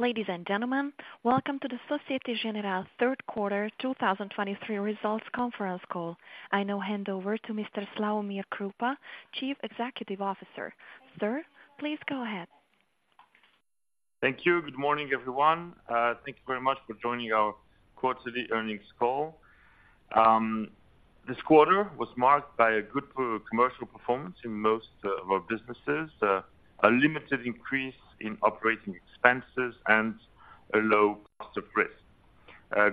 Ladies and gentlemen, welcome to the Société Générale third quarter 2023 results conference call. I now hand over to Mr. Slawomir Krupa, Chief Executive Officer. Sir, please go ahead. Thank you. Good morning, everyone. Thank you very much for joining our quarterly earnings call. This quarter was marked by a good commercial performance in most of our businesses, a limited increase in operating expenses and a low cost of risk.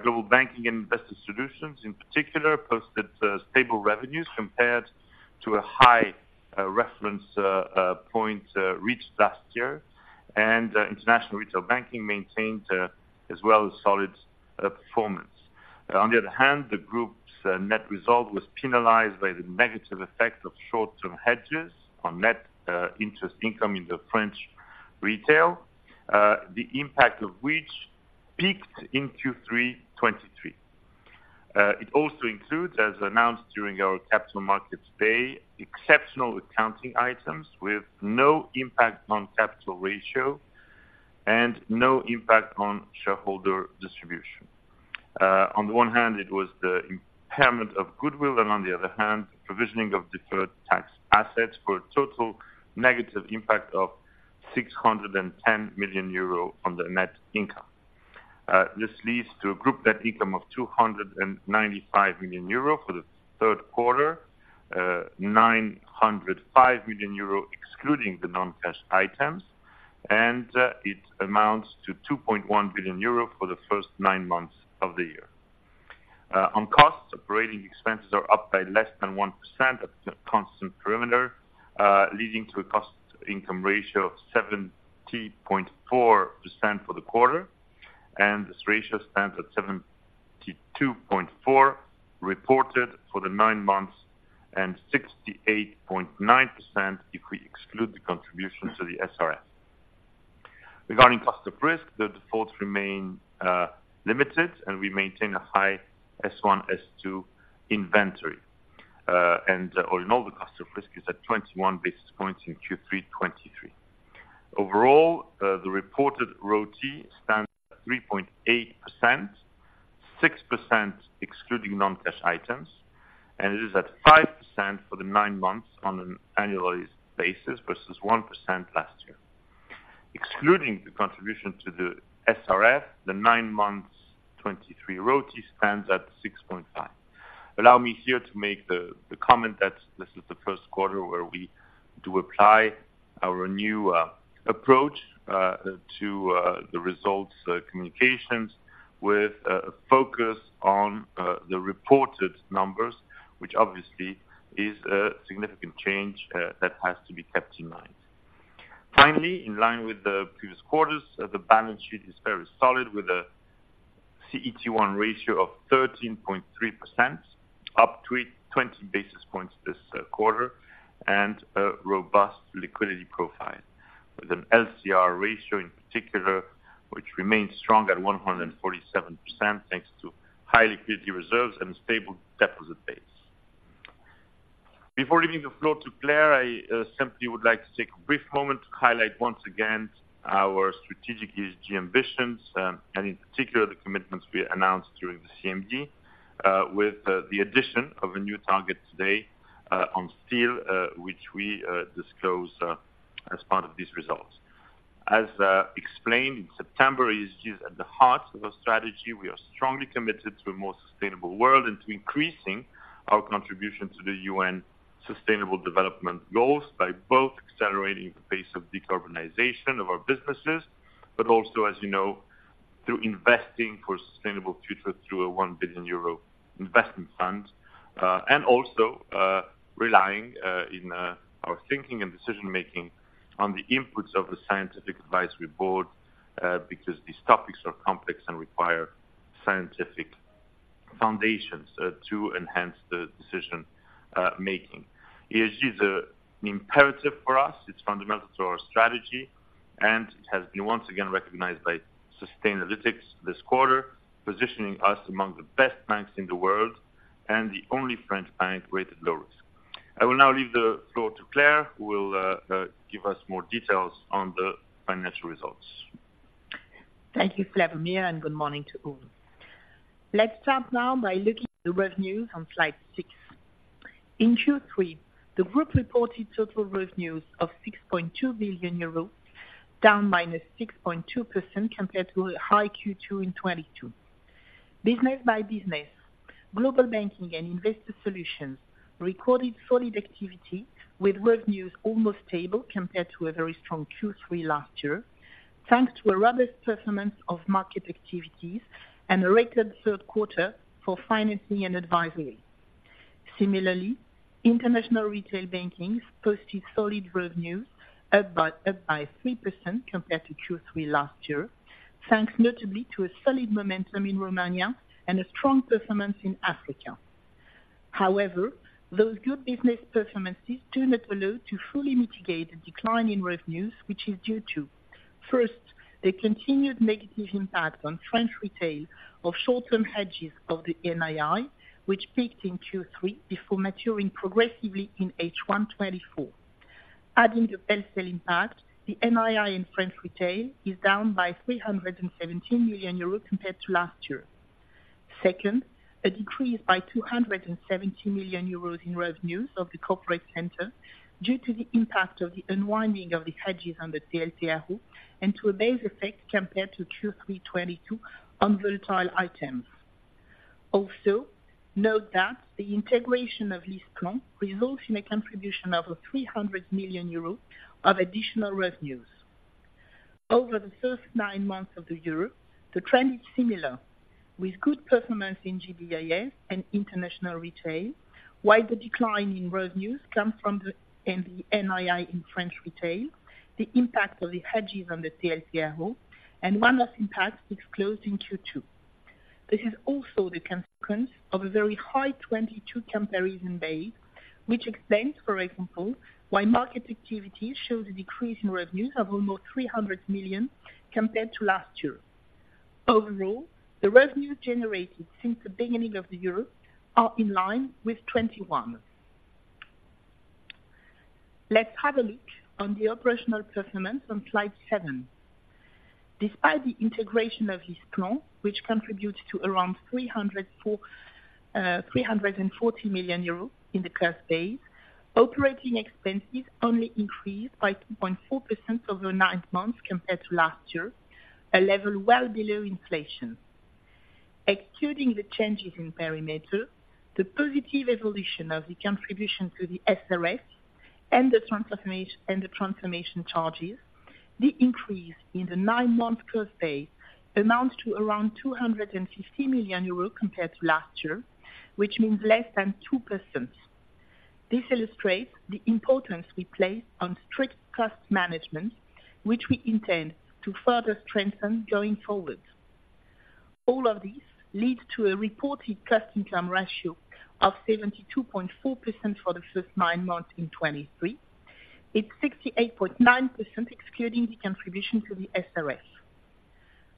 Global Banking and Investor Solutions, in particular, posted stable revenues compared to a high reference point reached last year, and International Retail Banking maintained, as well, a solid performance. On the other hand, the group's net result was penalized by the negative effect of short-term hedges on net interest income in the French Retail Banking, the impact of which peaked in Q3 2023. It also includes, as announced during our Capital Markets Day, exceptional accounting items with no impact on capital ratio and no impact on shareholder distribution. On the one hand, it was the impairment of goodwill, and on the other hand, provisioning of deferred tax assets for a total negative impact of 610 million euro on the net income. This leads to a group net income of 295 million euro for the third quarter, 905 million euro, excluding the non-cash items, and it amounts to 2.1 billion euro for the first nine months of the year. On costs, operating expenses are up by less than 1% at constant perimeter, leading to a cost-to-income ratio of 70.4% for the quarter, and this ratio stands at 72.4%, reported for the nine months, and 68.9% if we exclude the contribution to the SRF. Regarding cost of risk, the defaults remain limited, and we maintain a high S1, S2 inventory. And all in all, the cost of risk is at 21 basis points in Q3 2023. Overall, the reported ROTE stands at 3.8%, 6% excluding non-cash items, and it is at 5% for the nine months on an annualized basis versus 1% last year. Excluding the contribution to the SRF, the nine months 2023 ROTE stands at 6.5. Allow me here to make the comment that this is the first quarter where we do apply our new approach to the results communications with a focus on the reported numbers, which obviously is a significant change that has to be kept in mind. Finally, in line with the previous quarters, the balance sheet is very solid, with a CET1 ratio of 13.3%, up 20 basis points this quarter. And a robust liquidity profile, with an LCR ratio in particular, which remains strong at 147%, thanks to high liquidity reserves and a stable deposit base. Before leaving the floor to Claire, I simply would like to take a brief moment to highlight once again our strategic ESG ambitions, and in particular, the commitments we announced during the CMD, with the addition of a new target today on steel, which we disclosed as part of these results. As explained in September, ESG is at the heart of our strategy. We are strongly committed to a more sustainable world and to increasing our contribution to the UN Sustainable Development Goals by both accelerating the pace of decarbonization of our businesses, but also, as you know, through investing for a sustainable future through a 1 billion euro investment fund. And also, relying in our thinking and decision-making on the inputs of the Scientific Advisory Board, because these topics are complex and require scientific foundations, to enhance the decision making. ESG is an imperative for us, it's fundamental to our strategy, and it has been once again recognized by Sustainalytics this quarter, positioning us among the best banks in the world and the only French bank rated low risk. I will now leave the floor to Claire, who will give us more details on the financial results. Thank you, Slawomir, and good morning to all. Let's start now by looking at the revenues on slide 6. In Q3, the group reported total revenues of 6.2 billion euros, down -6.2% compared to a high Q2 in 2022. Business by business, Global Banking and Investor Solutions recorded solid activity, with revenues almost stable compared to a very strong Q3 last year, thanks to a robust performance of market activities and a record third quarter for Financing and Advisory. Similarly, International Retail Banking posted solid revenues up by, up by 3% compared to Q3 last year, thanks notably to a solid momentum in Romania and a strong performance in Africa. However, those good business performances do not allow to fully mitigate the decline in revenues, which is due to, first, the continued negative impact on French retail of short-term hedges of the NII, which peaked in Q3 before maturing progressively in H1 2024. Adding the PEL/CEL impact, the NII in French retail is down by 317 million euros compared to last year. Second, a decrease by 270 million euros in revenues of the Corporate Center, due to the impact of the unwinding of the hedges on the TLTRO, and to a base effect compared to Q3 2022 on volatile items. Also, note that the integration of LeasePlan results in a contribution of 300 million euros of additional revenues. Over the first nine months of the year, the trend is similar, with good performance in GBIS and international retail, while the decline in revenues comes from the NII in French retail, the impact of the hedges on the TLTRO, and one-off impact which closed in Q2. This is also the consequence of a very high 2022 comparison base, which explains, for example, why market activity shows a decrease in revenues of almost 300 million compared to last year. Overall, the revenues generated since the beginning of the year are in line with 2021. Let's have a look on the operational performance on slide seven. Despite the integration of LeasePlan, which contributes to around 304, 340 million euros in the first half. Operating expenses only increased by 2.4% over nine months compared to last year, a level well below inflation. Excluding the changes in perimeter, the positive evolution of the contribution to the SRF and the transformation, and the transformation charges, the increase in the nine-month cost base amounts to around 250 million euros compared to last year, which means less than 2%. This illustrates the importance we place on strict cost management, which we intend to further strengthen going forward. All of this leads to a reported cost-income ratio of 72.4% for the first nine months in 2023. It's 68.9%, excluding the contribution to the SRF.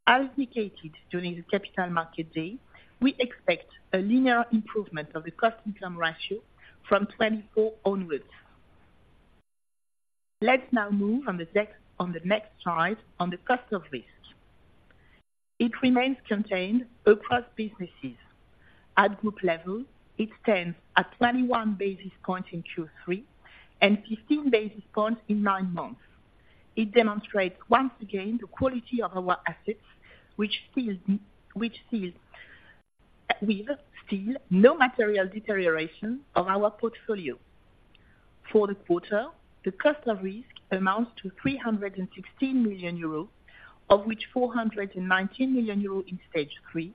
As indicated during the Capital Markets Day, we expect a linear improvement of the cost-to-income ratio from 2024 onwards. Let's now move on the next, on the next slide, on the cost of risk. It remains contained across businesses. At group level, it stands at 21 basis points in Q3, and 15 basis points in nine months. It demonstrates once again the quality of our assets, with still no material deterioration of our portfolio. For the quarter, the cost of risk amounts to 316 million euros, of which 419 million euros in stage three,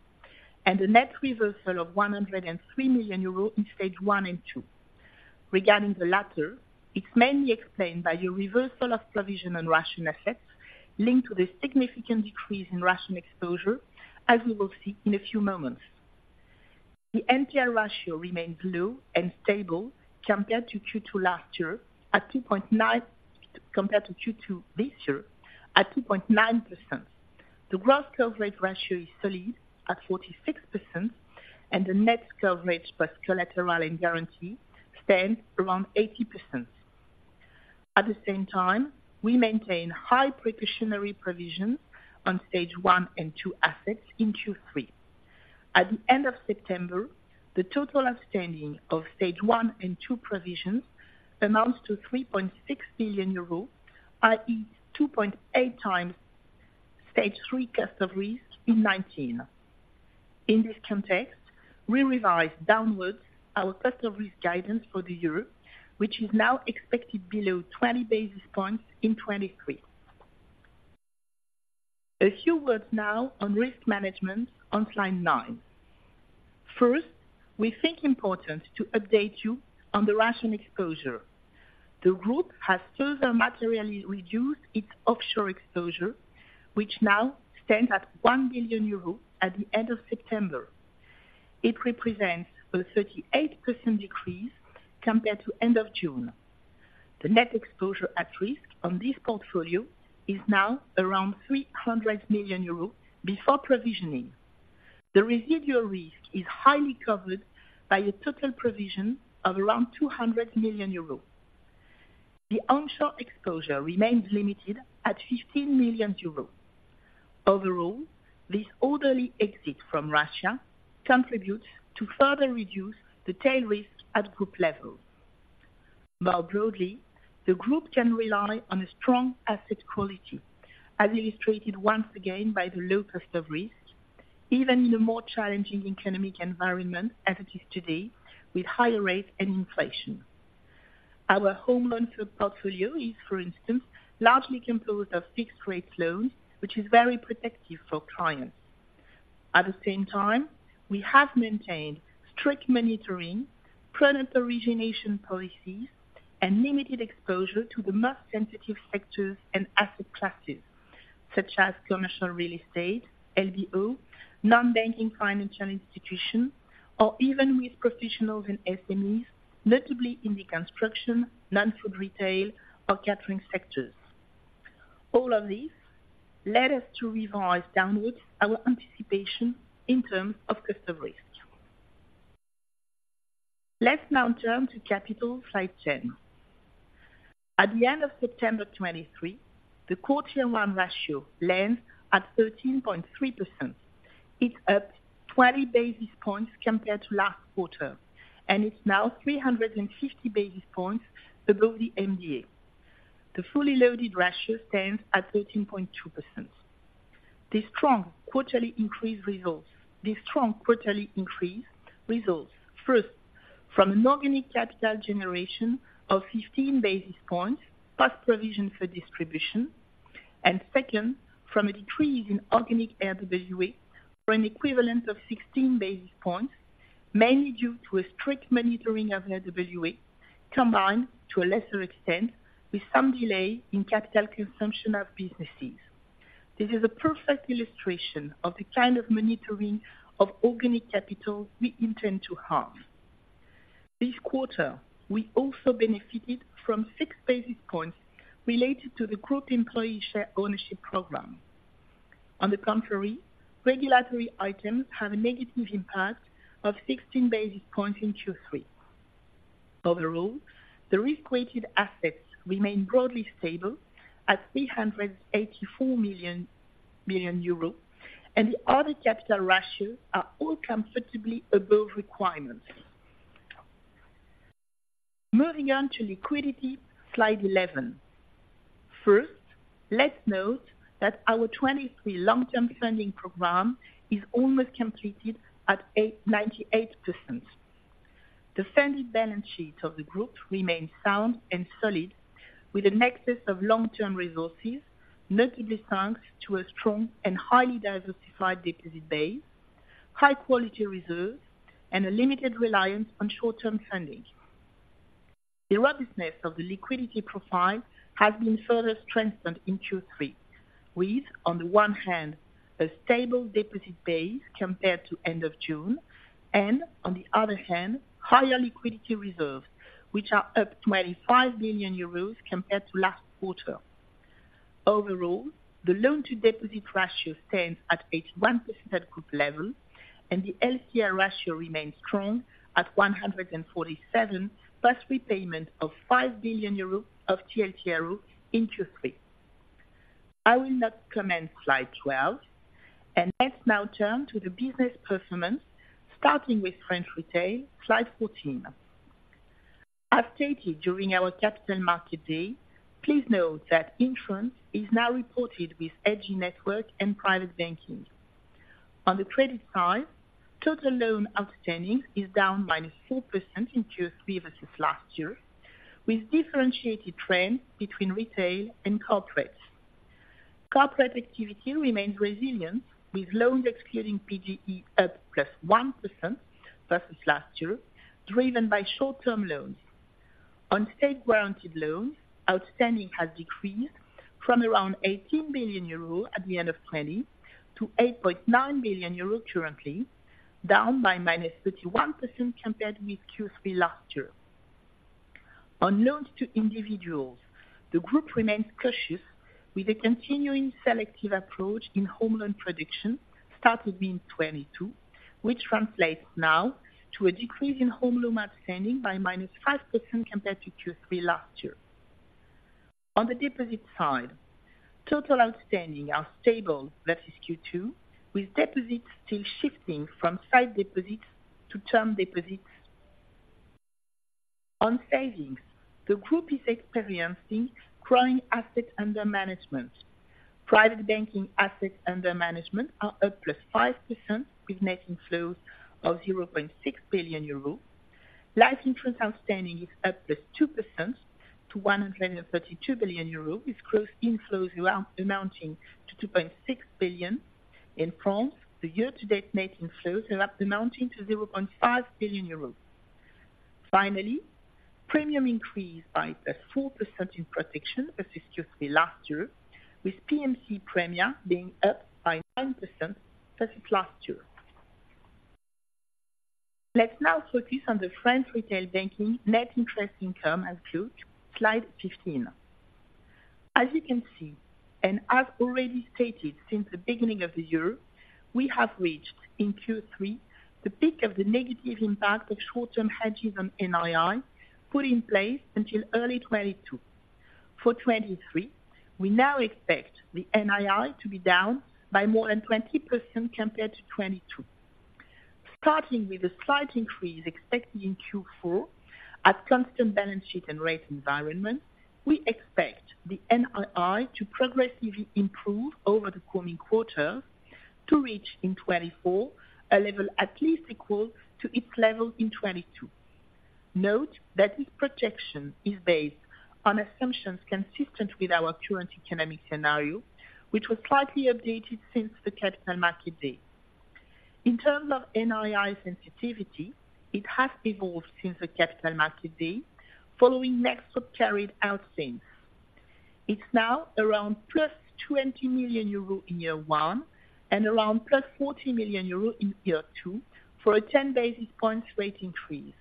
and a net reversal of 103 million euros in stage one and two. Regarding the latter, it's mainly explained by a reversal of provision on Russian assets linked to the significant decrease in Russian exposure, as we will see in a few moments. The NPL ratio remains low and stable compared to Q2 last year, at 2.9 compared to Q2 this year, at 2.9%. The gross coverage ratio is solid at 46%, and the net coverage plus collateral and guarantee stands around 80%. At the same time, we maintain high precautionary provisions on stage one and two assets in Q3. At the end of September, the total outstanding of stage one and two provisions amounts to 3.6 billion euros, i.e., 2.8 times stage three cost of risk in 2019. In this context, we revise downwards our cost of risk guidance for the year, which is now expected below 20 basis points in 2023. A few words now on risk management on slide nine. First, we think important to update you on the Russian exposure. The group has further materially reduced its offshore exposure, which now stands at 1 billion euros at the end of September. It represents a 38% decrease compared to end of June. The net exposure at risk on this portfolio is now around 300 million euros before provisioning. The residual risk is highly covered by a total provision of around 200 million euros. The onshore exposure remains limited at 15 million euros. Overall, this orderly exit from Russia contributes to further reduce the tail risk at group level. More broadly, the group can rely on a strong asset quality, as illustrated once again by the low cost of risk, even in a more challenging economic environment as it is today, with higher rates and inflation. Our home loan portfolio is, for instance, largely composed of fixed-rate loans, which is very protective for clients. At the same time, we have maintained strict monitoring, prudent origination policies, and limited exposure to the most sensitive sectors and asset classes, such as commercial real estate, LBO, non-banking financial institutions, or even with professionals and SMEs, notably in the construction, non-food retail, or catering sectors. All of this led us to revise downwards our anticipation in terms of cost of risk. Let's now turn to capital, slide 10. At the end of September 2023, the CET1 ratio stands at 13.3%. It's up 20 basis points compared to last quarter, and it's now 350 basis points above the MDA. The fully loaded ratio stands at 13.2%. This strong quarterly increase results, first, from an organic capital generation of 15 basis points, plus provision for distribution. And second, from a decrease in organic RWA for an equivalent of 16 basis points, mainly due to a strict monitoring of RWA, combined to a lesser extent, with some delay in capital consumption of businesses. This is a perfect illustration of the kind of monitoring of organic capital we intend to have. This quarter, we also benefited from 6 basis points related to the group employee share ownership program. On the contrary, regulatory items have a negative impact of 16 basis points in Q3. Overall, the risk-weighted assets remain broadly stable at 384 million, and the other capital ratios are all comfortably above requirements. Moving on to liquidity, slide eleven. First, let's note that our 2023 long-term funding program is almost completed at 98%. The funded balance sheet of the group remains sound and solid, with a nexus of long-term resources, notably thanks to a strong and highly diversified deposit base, high-quality reserves, and a limited reliance on short-term funding. The robustness of the liquidity profile has been further strengthened in Q3, with, on the one hand, a stable deposit base compared to end of June, and on the other hand, higher liquidity reserves, which are up 25 million euros compared to last quarter. Overall, the loan to deposit ratio stands at 81% at group level, and the LCR ratio remains strong at 147%, plus repayment of 5 billion euro of TLTRO in Q3. I will not comment slide 12, and let's now turn to the business performance, starting with French Retail, slide 14. As stated during our Capital Market Day, please note that insurance is now reported with SG Network and Private Banking. On the credit side, total loan outstanding is down by 4% in Q3 versus last year, with differentiated trends between retail and corporate. Corporate activity remains resilient, with loans excluding PGE up +1% versus last year, driven by short-term loans. On state-guaranteed loans, outstanding has decreased from around 18 billion euros at the end of 2020 to 8.9 billion euros currently, down by -31% compared with Q3 last year. On loans to individuals, the group remains cautious with a continuing selective approach in home loan production, started in 2022, which translates now to a decrease in home loan outstanding by -5% compared to Q3 last year. On the deposit side, total outstanding are stable versus Q2, with deposits still shifting from sight deposits to term deposits. On savings, the group is experiencing growing assets under management. Private banking assets under management are up +5%, with net inflows of 0.6 billion euros. Life insurance outstanding is up +2% to 132 billion euros, with gross inflows amounting to 2.6 billion. In France, the year-to-date net inflows are up, amounting to 0.5 billion euros. Finally, premium increased by +4% in protection versus Q3 last year, with P&C premium being up by 9% versus last year. Let's now focus on the French Retail Banking net interest income as per slide 15. As you can see, and as already stated since the beginning of the year, we have reached in Q3, the peak of the negative impact of short-term hedges on NII, put in place until early 2022. For 2023, we now expect the NII to be down by more than 20% compared to 2022. Starting with a slight increase expected in Q4, at constant balance sheet and rate environment, we expect the NII to progressively improve over the coming quarter to reach in 2024, a level at least equal to its level in 2022. Note that this projection is based on assumptions consistent with our current economic scenario, which was slightly updated since the Capital Markets Day. In terms of NII sensitivity, it has evolved since the Capital Markets Day, following next carried out since. It's now around +20 million euro in year one, and around +40 million euro in year two, for a 10 basis points rate increase.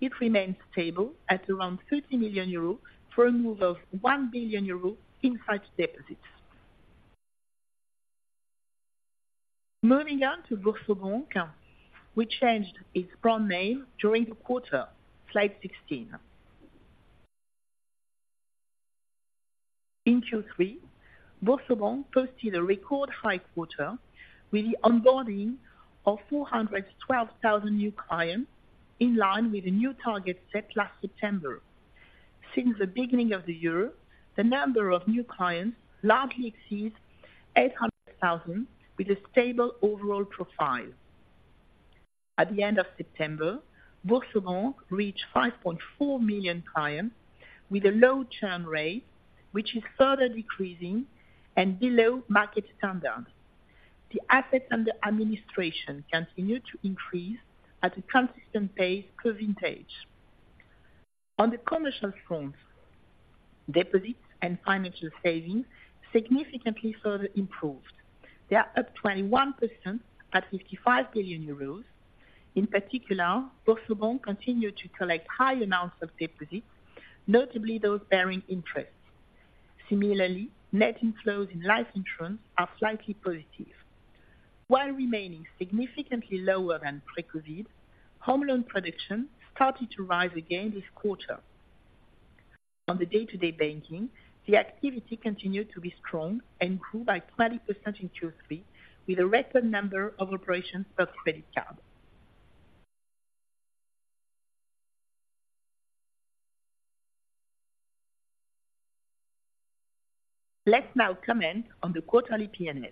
It remains stable at around 30 million euros for a move of 1 billion euros in such deposits. Moving on to Boursorama, which changed its brand name during the quarter. Slide 16. In Q3, Boursorama posted a record high quarter with the onboarding of 412,000 new clients, in line with the new target set last September. Since the beginning of the year, the number of new clients largely exceeds 800,000, with a stable overall profile. At the end of September, Boursorama reached 5.4 million clients with a low churn rate, which is further decreasing and below market standard. The assets under administration continued to increase at a consistent pace per vintage. On the commercial front, deposits and financial savings significantly further improved. They are up 21% at 55 billion euros. In particular, Boursorama continued to collect high amounts of deposits, notably those bearing interest. Similarly, net inflows in life insurance are slightly positive. While remaining significantly lower than pre-COVID, home loan production started to rise again this quarter. On the day-to-day banking, the activity continued to be strong and grew by 20% in Q3, with a record number of operations per credit card. Let's now comment on the quarterly P&L.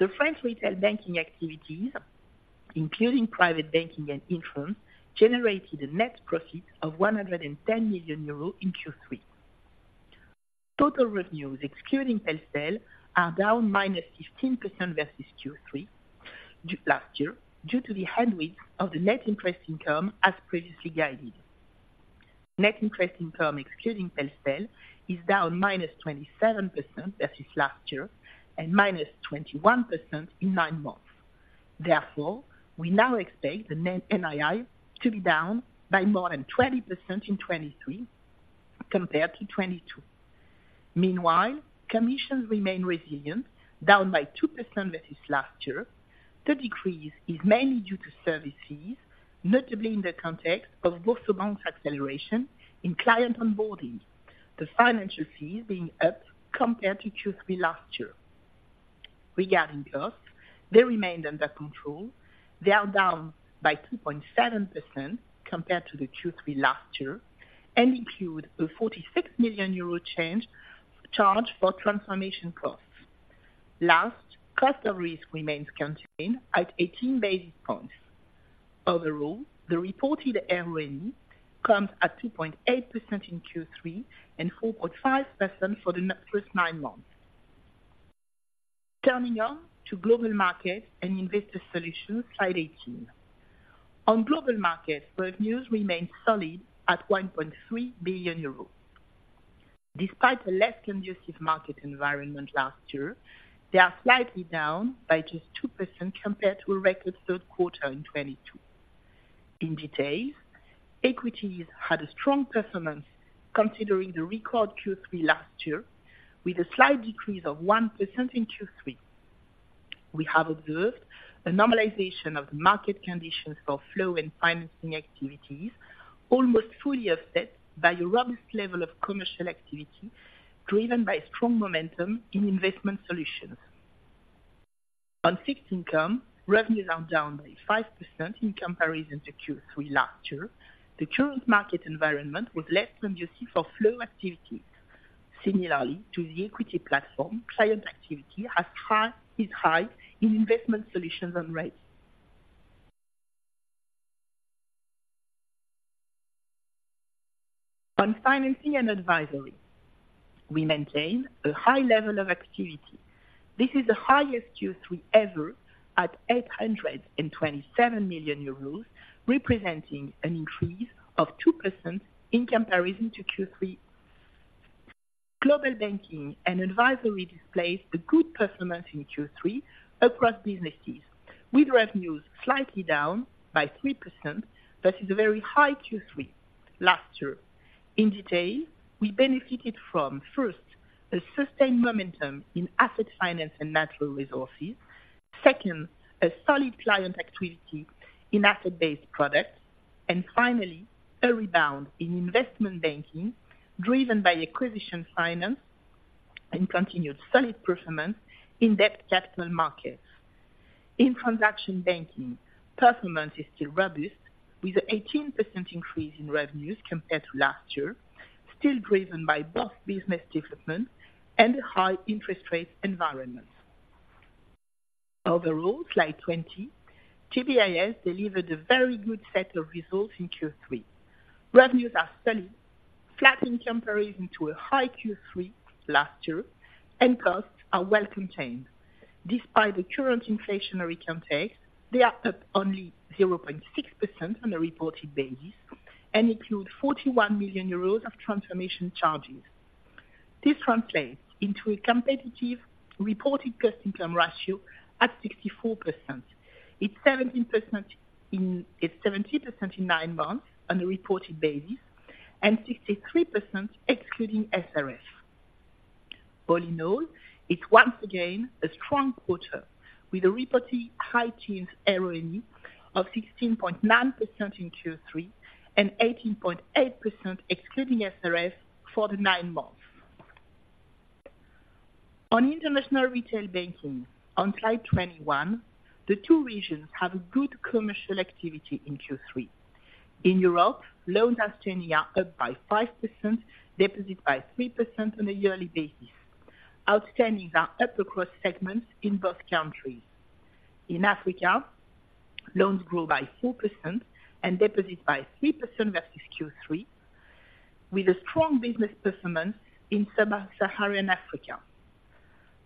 The French Retail Banking activities, including Private Banking and Insurance, generated a net profit of 110 million euros in Q3. Total revenues, excluding PEL/CEL, are down -15% versus Q3 last year, due to the headwinds of the net interest income, as previously guided. Net interest income, excluding PEL/CEL, is down -27% versus last year and -21% in nine months. Therefore, we now expect the net NII to be down by more than 20% in 2023 compared to 2022. Meanwhile, commissions remain resilient, down by 2% versus last year. The decrease is mainly due to service fees, notably in the context of Boursorama's acceleration in client onboarding, the financial fees being up compared to Q3 last year. Regarding costs, they remained under control. They are down by 2.7% compared to the Q3 last year, and include a 46 million euro charge for transformation costs. Last, cost of risk remains contained at 18 basis points. Overall, the reported RONE comes at 2.8% in Q3 and 4.5% for the first nine months. Turning on to Global Markets and Investor Solutions, slide 18. On Global Markets, revenues remained solid at 1.3 billion euros. Despite a less conducive market environment last year, they are slightly down by just 2% compared to a record third quarter in 2022. In details, equities had a strong performance, considering the record Q3 last year, with a slight decrease of 1% in Q3. We have observed a normalization of market conditions for flow and financing activities, almost fully offset by a robust level of commercial activity, driven by strong momentum in investment solutions. On fixed income, revenues are down by 5% in comparison to Q3 last year. The current market environment was less conducive for flow activity. Similarly to the equity platform, client activity is high in investment solutions and rates. On Financing and Advisory, we maintain a high level of activity. This is the highest Q3 ever at 827 million euros, representing an increase of 2% in comparison to Q3. Global Banking and Advisory displays the good performance in Q3 across businesses, with revenues slightly down by 3%. That is a very high Q3 last year. In detail, we benefited from, first, a sustained momentum in Asset Finance and Natural Resources. Second, a solid client activity in asset-based projects. And finally, a rebound in Investment Banking, driven by acquisition finance and continued solid performance in Debt Capital Markets. In Transaction Banking performance is still robust, with an 18% increase in revenues compared to last year, still driven by both business development and a high interest rate environment. Overall, slide 20, GBIS delivered a very good set of results in Q3. Revenues are steady, flat in comparison to a high Q3 last year, and costs are well contained. Despite the current inflationary context, they are up only 0.6% on a reported basis and include 41 million euros of transformation charges. This translates into a competitive reported cost-income ratio at 64%. It's 17% in nine months on a reported basis and 63%, excluding SRF. All in all, it's once again a strong quarter with a reported high teens ROE of 16.9% in Q3, and 18.8% excluding SRF for the nine months. On international retail banking, on slide 21, the two regions have a good commercial activity in Q3. In Europe, loans outstanding are up by 5%, deposit by 3% on a yearly basis. Outstanding are up across segments in both countries. In Africa, loans grew by 4% and deposits by 3% versus Q3, with a strong business performance in Sub-Saharan Africa.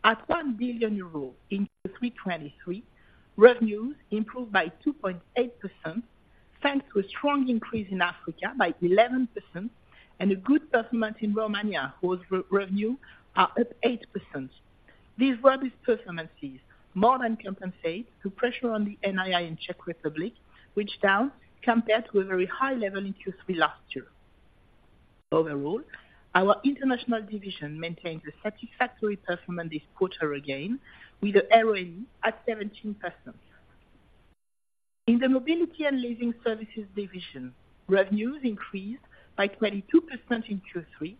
At 1 billion euro in Q3 2023, revenues improved by 2.8%, thanks to a strong increase in Africa by 11%, and a good performance in Romania, whose revenues are up 8%. These robust performances more than compensate for the pressure on the NII in Czech Republic, which was down compared to a very high level in Q3 last year. Overall, our international division maintains a satisfactory performance this quarter again, with a ROE at 17%. In the Mobility and Leasing Services division, revenues increased by 22% in Q3,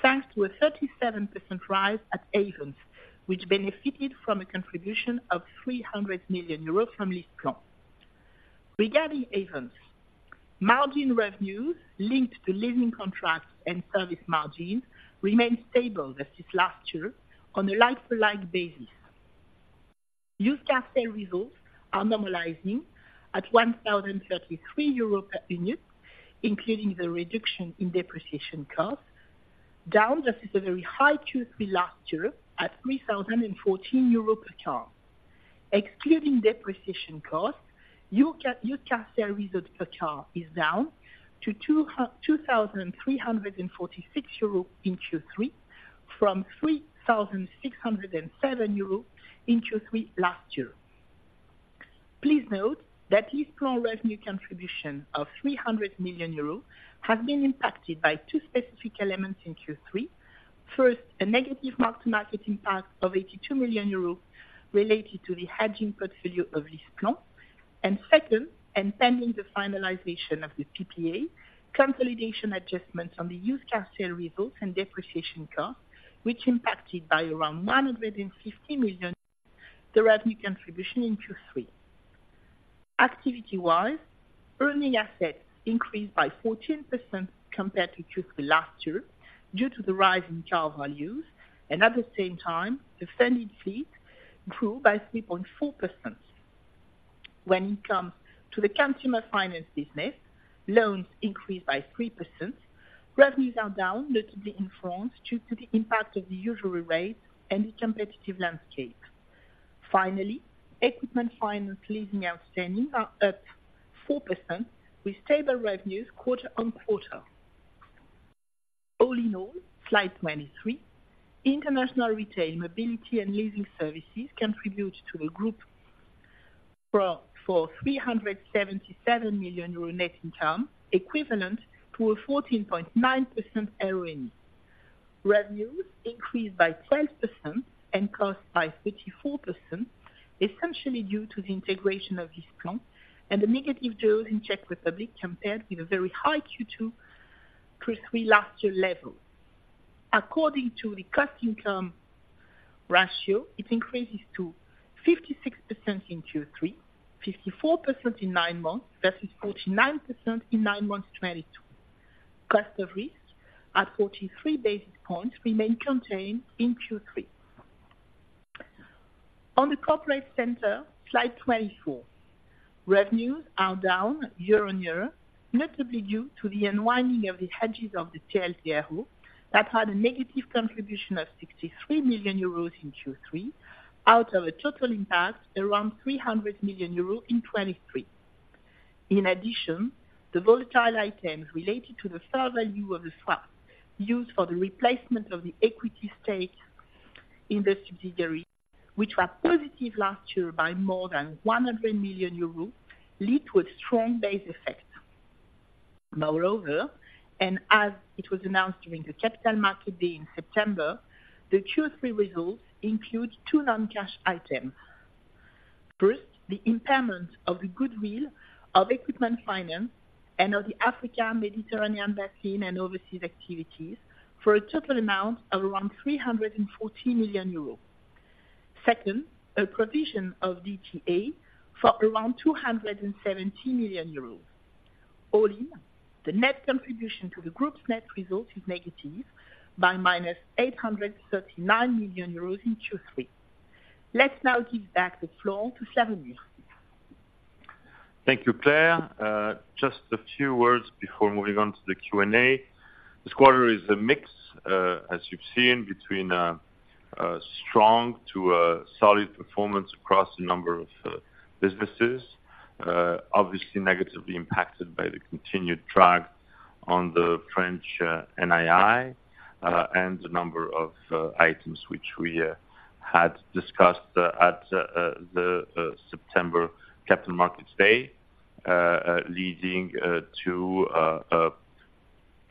thanks to a 37% rise at Ayvens, which benefited from a contribution of 300 million euros from LeasePlan. Regarding Ayvens, margin revenues linked to leasing contracts and service margin remained stable versus last year on a like-to-like basis. Used car sale results are normalizing at 1,033 euros per unit, including the reduction in depreciation costs, down versus a very high Q3 last year at 3,014 euro per car. Excluding depreciation costs, used car sale results per car is down to 2,346 EUR in Q3, from 3,607 euro in Q3 last year. Please note that LeasePlan revenue contribution of 300 million euros has been impacted by two specific elements in Q3. First, a negative mark-to-market impact of 82 million euros related to the hedging portfolio of LeasePlan. Second, and pending the finalization of the PPA, consolidation adjustments on the used car sale results and depreciation costs, which impacted by around 150 million, the revenue contribution in Q3. Activity-wise, earning assets increased by 14% compared to Q3 last year, due to the rise in car values, and at the same time, the funded fleet grew by 3.4%. When it comes to the Consumer Finance business, loans increased by 3%. Revenues are down, notably in France, due to the impact of the usury rate and the competitive landscape. Finally, Equipment Finance leasing outstanding are up 4% with stable revenues quarter on quarter. All in all, slide 23, international retail, mobility and leasing services contribute to the group growth for 377 million euro net income, equivalent to a 14.9% ROE. Revenues increased by 12% and costs by 34%, essentially due to the integration of LeasePlan and the negative growth in Czech Republic, compared with a very high Q2, Q3 last year level. According to the cost-to-income ratio, it increases to 56% in Q3, 54% in nine months, versus 49% in nine months 2022. Cost of risk at 43 basis points remain contained in Q3. On the Corporate Center, slide 24. Revenues are down year-on-year, notably due to the unwinding of the hedges of the TLTRO, that had a negative contribution of 63 million euros in Q3, out of a total impact around 300 million euros in 2023. In addition, the volatile items related to the fair value of the swap used for the replacement of the equity stake in the subsidiary, which were positive last year by more than 100 million euros, lead to a strong base effect. Moreover, and as it was announced during the Capital Market Day in September, the Q3 results include two non-cash items. First, the impairment of the goodwill of Equipment Finance and of the Africa, Mediterranean Basin and Overseas activities for a total amount of around 340 million euros. Second, a provision of DTA for around 270 million euros. All in, the net contribution to the group's net result is negative by -839 million euros in Q3. Let's now give back the floor to Slawomir. Thank you, Claire. Just a few words before moving on to the Q&A. This quarter is a mix, as you've seen, between a strong to a solid performance across a number of businesses. Obviously negatively impacted by the continued drag on the French NII, and the number of items which we had discussed at the September Capital Markets Day, leading to a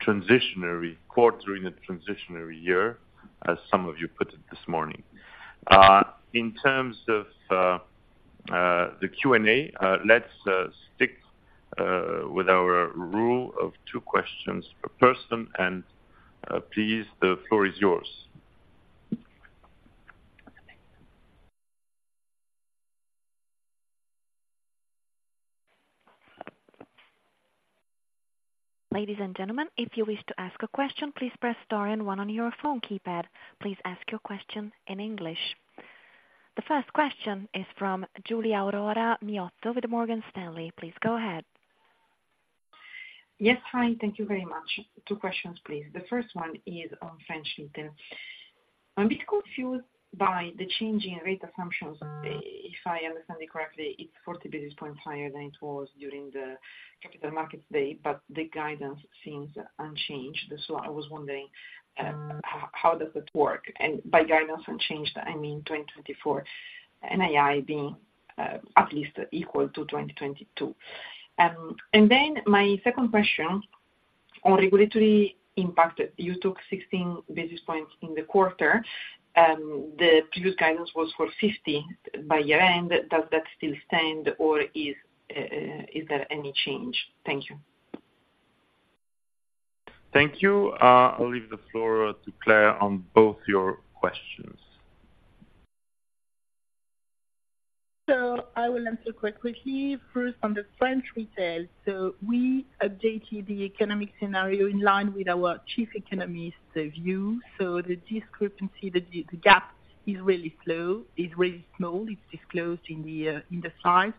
transitionary quarter in a transitionary year, as some of you put it this morning. In terms of the Q&A, let's stick with our rule of two questions per person, and please, the floor is yours. Ladies and gentlemen, if you wish to ask a question, please press star and one on your phone keypad. Please ask your question in English. The first question is from Giulia Aurora Miotto with Morgan Stanley. Please go ahead. Yes, hi. Thank you very much. Two questions, please. The first one is on French retail. I'm a bit confused by the changing rate assumptions. If I understand it correctly, it's 40 basis points higher than it was during the capital markets day, but the guidance seems unchanged. So I was wondering, how does that work? And by guidance unchanged, I mean, 2024 NII being at least equal to 2022. And then my second question on regulatory impact, you took 16 basis points in the quarter, the previous guidance was for 50 by year-end. Does that still stand or is there any change? Thank you. Thank you. I'll leave the floor to Claire on both your questions. So I will answer quite quickly. First, on the French retail. So we updated the economic scenario in line with our chief economist view. So the discrepancy, the gap is really slow, is really small. It's disclosed in the slide,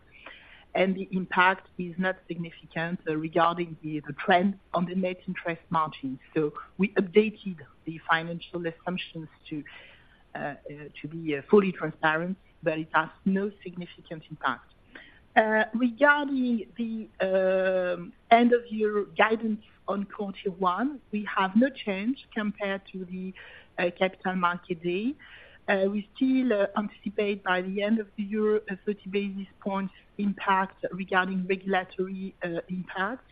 and the impact is not significant, regarding the trend on the net interest margin. So we updated the financial assumptions to be fully transparent, but it has no significant impact. Regarding the end of year guidance on quarter one, we have no change compared to the Capital Markets Day. We still anticipate by the end of the year, a 30 basis point impact regarding regulatory impact.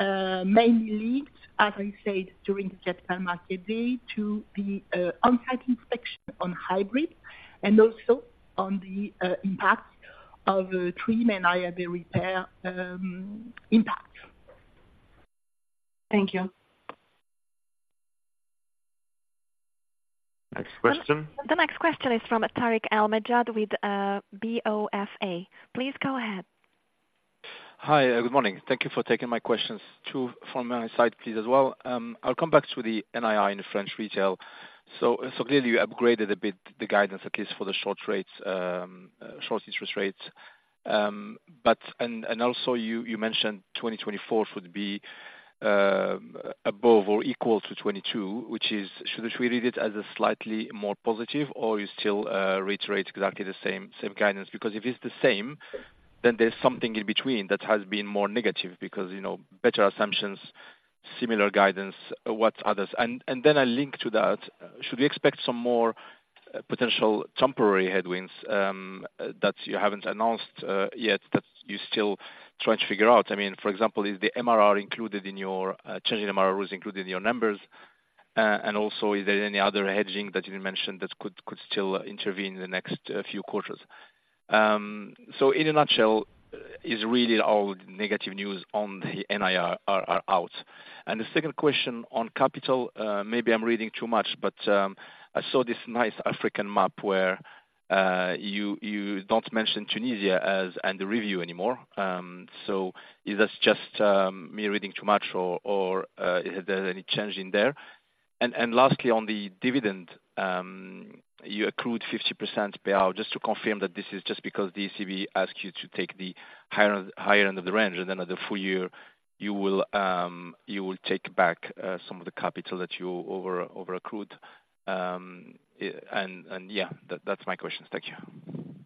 Mainly leads, as I said, during the Capital Markets Day, to the on-site inspection on hybrid and also on the impact of the TRIM and IRB repair, impact. Thank you. Next question? The next question is from Tarik El Mejjad with BofA. Please go ahead. Hi, good morning. Thank you for taking my questions. Two from my side, please, as well. I'll come back to the NII in French Retail. So, clearly you upgraded a bit the guidance, at least for the short rates, short interest rates. But and also you mentioned 2024 should be above or equal to 2022, which is, should we read it as a slightly more positive, or you still reiterate exactly the same guidance? Because if it's the same, then there's something in between that has been more negative because, you know, better assumptions, similar guidance, what others? And then a link to that, should we expect some more potential temporary headwinds that you haven't announced yet that you're still trying to figure out? I mean, for example, is the MRR included in your change in MRR was included in your numbers, and also is there any other hedging that you mentioned that could still intervene in the next few quarters? So in a nutshell, is really all negative news on the NIR are out. And the second question on capital, maybe I'm reading too much, but I saw this nice African map where you don't mention Tunisia as under review anymore. So is this just me reading too much, or is there any change in there? And lastly, on the dividend, you accrued 50% payout, just to confirm that this is just because ECB asked you to take the higher end of the range, and then at the full year, you will take back some of the capital that you overaccrued. And yeah, that's my questions. Thank you.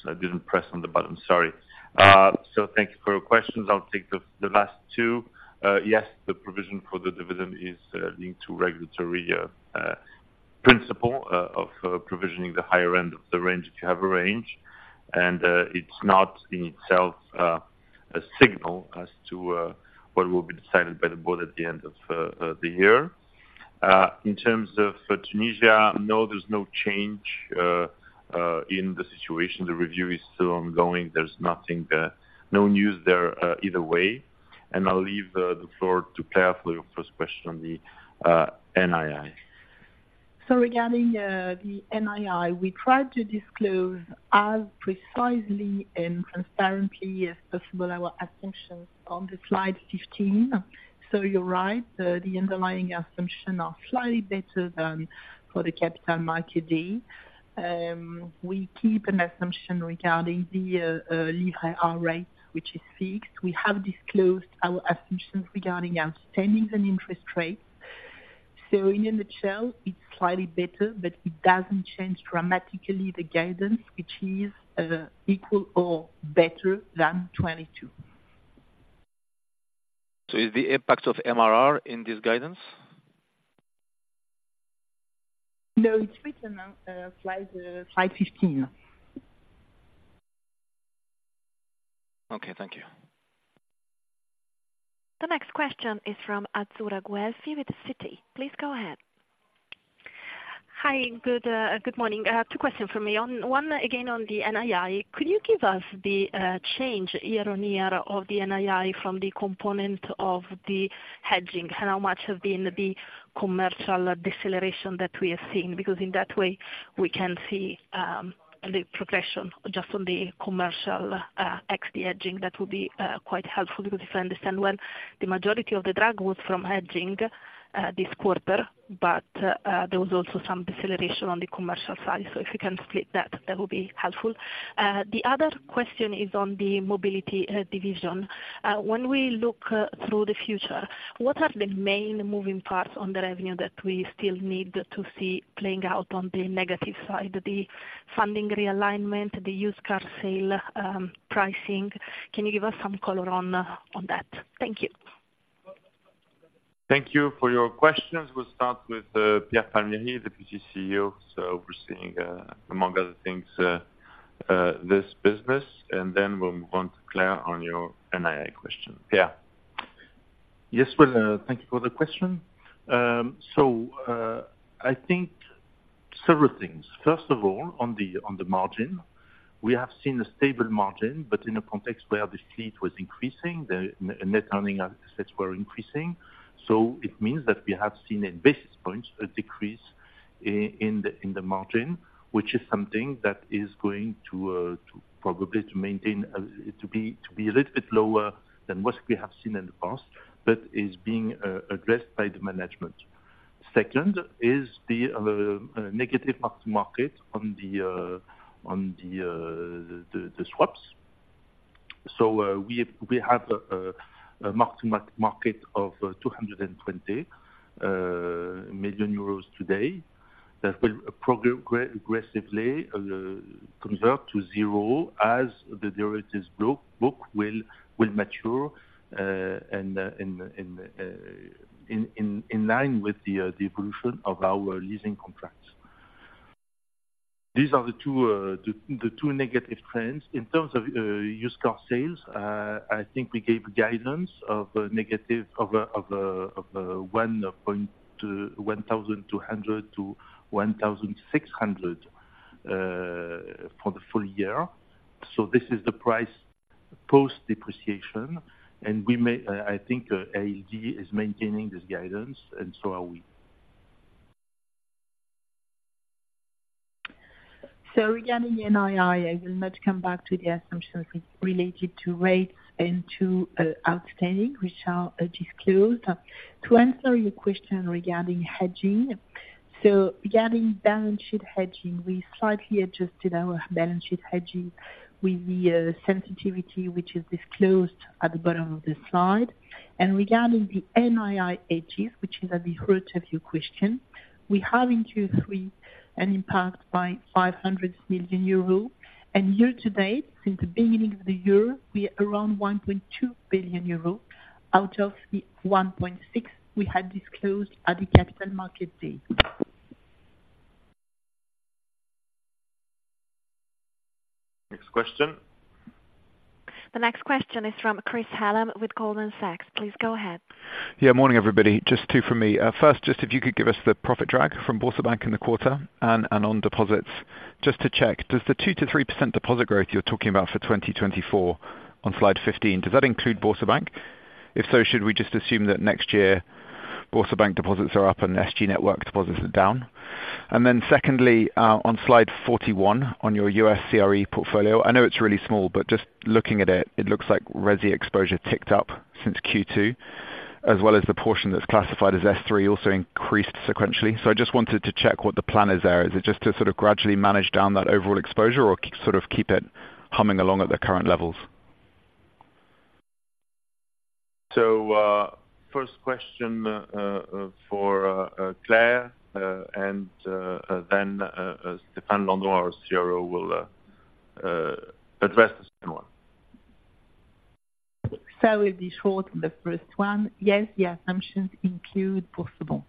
Oh, so I didn't press on the button. Sorry. So thank you for your questions. I'll take the last two. Yes, the provision for the dividend is linked to regulatory principle of provisioning the higher end of the range, if you have a range. And it's not in itself a signal as to what will be decided by the board at the end of the year. In terms of Tunisia, no, there's no change in the situation. The review is still ongoing. There's nothing, no news there, either way. And I'll leave the floor to Claire for your first question on the NII. So regarding the NII, we tried to disclose as precisely and transparently as possible our assumptions on slide 15. So you're right, the underlying assumptions are slightly better than for the Capital Markets Day. We keep an assumption regarding the Livret A rate, which is fixed. We have disclosed our assumptions regarding outstandings and interest rates. So in a nutshell, it's slightly better, but it doesn't change dramatically the guidance, which is equal or better than 22. Is the impact of MRR in this guidance? No, it's written on slide 15. Okay, thank you. The next question is from Azzurra Guelfi with Citi. Please go ahead. Hi, good morning. I have two questions for me. On one, again, on the NII, could you give us the change year-on-year of the NII from the component of the hedging? And how much have been the commercial deceleration that we are seeing? Because in that way, we can see the progression just on the commercial ex the hedging. That would be quite helpful, because if I understand, when the majority of the drag was from hedging this quarter, but there was also some deceleration on the commercial side. So if you can split that, that would be helpful. The other question is on the Mobility division. When we look through the future, what are the main moving parts on the revenue that we still need to see playing out on the negative side, the funding realignment, the used car sale, pricing? Can you give us some color on, on that? Thank you. Thank you for your questions. We'll start with Pierre Palmieri, the Deputy CEO. So overseeing, among other things, this business, and then we'll move on to Claire on your NII question. Pierre? Yes, well, thank you for the question. So, I think several things. First of all, on the margin, we have seen a stable margin, but in a context where the fleet was increasing, the net earning assets were increasing. So it means that we have seen in basis points, a decrease in the margin, which is something that is going to probably maintain to be a little bit lower than what we have seen in the past, but is being addressed by the management. Second, is the negative mark to market on the swaps. We have a mark-to-market of 220 million euros today, that will progressively convert to zero, as the derivatives book will mature, and in line with the evolution of our leasing contracts. These are the two negative trends. In terms of used car sales, I think we gave guidance of negative 1,200-1,600 for the full year. So this is the price post depreciation, and we may, I think, ALD is maintaining this guidance, and so are we. So regarding NII, I will not come back to the assumptions related to rates and to outstanding, which are disclosed. To answer your question regarding hedging, so regarding balance sheet hedging, we slightly adjusted our balance sheet hedging with the sensitivity, which is disclosed at the bottom of this slide. And regarding the NII hedges, which is at the heart of your question, we have in Q3 an impact by 500 million euro, and year to date, since the beginning of the year, we are around 1.2 billion euro, out of the 1.6 we had disclosed at the Capital Markets Day. Next question? The next question is from Chris Hallam, with Goldman Sachs. Please go ahead. Yeah, morning, everybody. Just two from me. First, just if you could give us the profit drag from BoursoBank in the quarter, and, and on deposits, just to check, does the 2%-3% deposit growth you're talking about for 2024 on slide 15, does that include BoursoBank? If so, should we just assume that next year BoursoBank deposits are up and SG network deposits are down? And then secondly, on slide 41, on your US CRE portfolio, I know it's really small, but just looking at it, it looks like resi exposure ticked up since Q2, as well as the portion that's classified as S3, also increased sequentially. So I just wanted to check what the plan is there. Is it just to sort of gradually manage down that overall exposure, or sort of keep it humming along at the current levels? So, first question for Claire, and then Stéphane Landon, our CRO, will address the second one. I will be short on the first one. Yes, the assumptions include BoursoBank.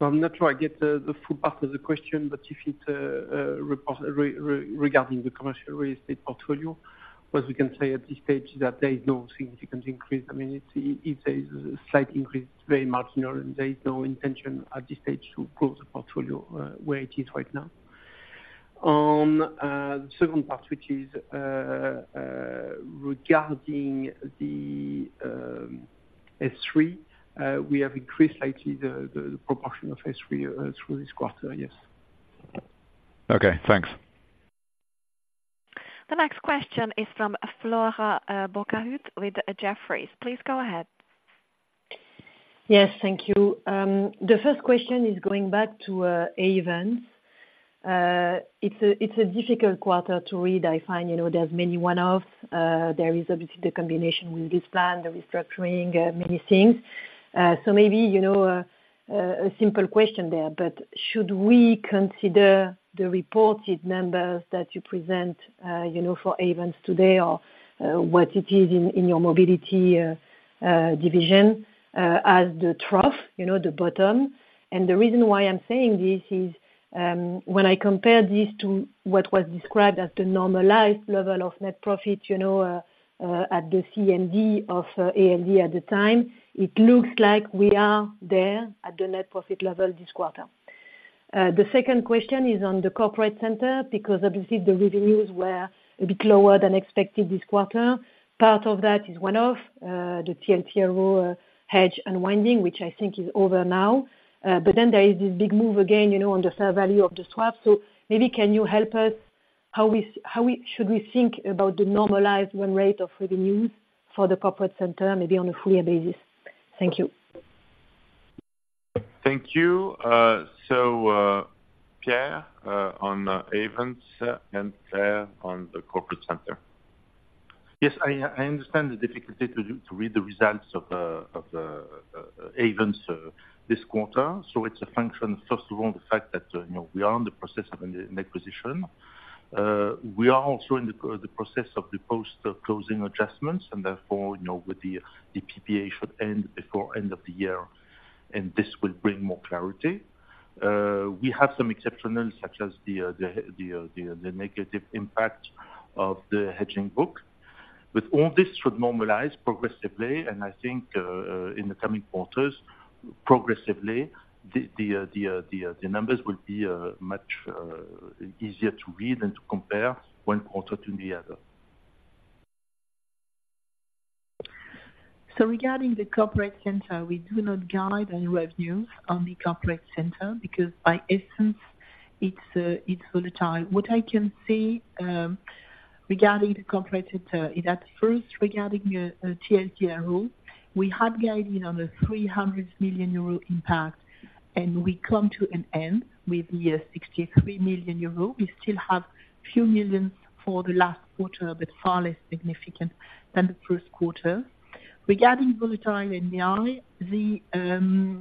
I'm not sure I get the full part of the question, but if it's regarding the commercial real estate portfolio, what we can say at this stage is that there is no significant increase. I mean, it's if there is a slight increase, it's very marginal, and there is no intention at this stage to grow the portfolio where it is right now. The second part, which is regarding the S3, we have increased slightly the proportion of S3 through this quarter, yes. Okay, thanks. The next question is from Flora Bocahut with Jefferies. Please go ahead. Yes, thank you. The first question is going back to Ayvens. It's a difficult quarter to read, I find, you know, there's many one-off, there is obviously the combination with LeasePlan, the restructuring, many things. So maybe, you know, a simple question there, but should we consider the reported numbers that you present, you know, for Ayvens today, or what it is in your mobility division as the trough, you know, the bottom? The reason why I'm saying this is, when I compare this to what was described as the normalized level of net profit, you know, at the CMD at the time, it looks like we are there at the net profit level this quarter. The second question is on the Corporate Center, because obviously the revenues were a bit lower than expected this quarter. Part of that is one-off, the TLTRO hedge unwinding, which I think is over now. But then there is this big move again, you know, on the fair value of the swap. So maybe can you help us, how we should think about the normalized run rate of revenues for the Corporate Center, maybe on a full year basis? Thank you. Thank you. So, Pierre, on Ayvens and Claire on the Corporate Center. Yes, I understand the difficulty to read the results of Ayvens this quarter. So it's a function, first of all, the fact that, you know, we are in the process of an acquisition. We are also in the process of the post-closing adjustments, and therefore, you know, with the PPA should end before end of the year, and this will bring more clarity. We have some exceptional, such as the negative impact of the hedging book. With all this should normalize progressively, and I think, in the coming quarters, progressively, the numbers will be much easier to read and to compare one quarter to the other. So, regarding the Corporate Center, we do not guide any revenues on the Corporate Center because by essence, it's volatile. What I can say, regarding the Corporate Center is at first, regarding the TLTRO, we had guided on a 300 million euro impact, and we come to an end with the 63 million euro. We still have few million EUR for the last quarter, but far less significant than the first quarter. Regarding volatility in the revenues,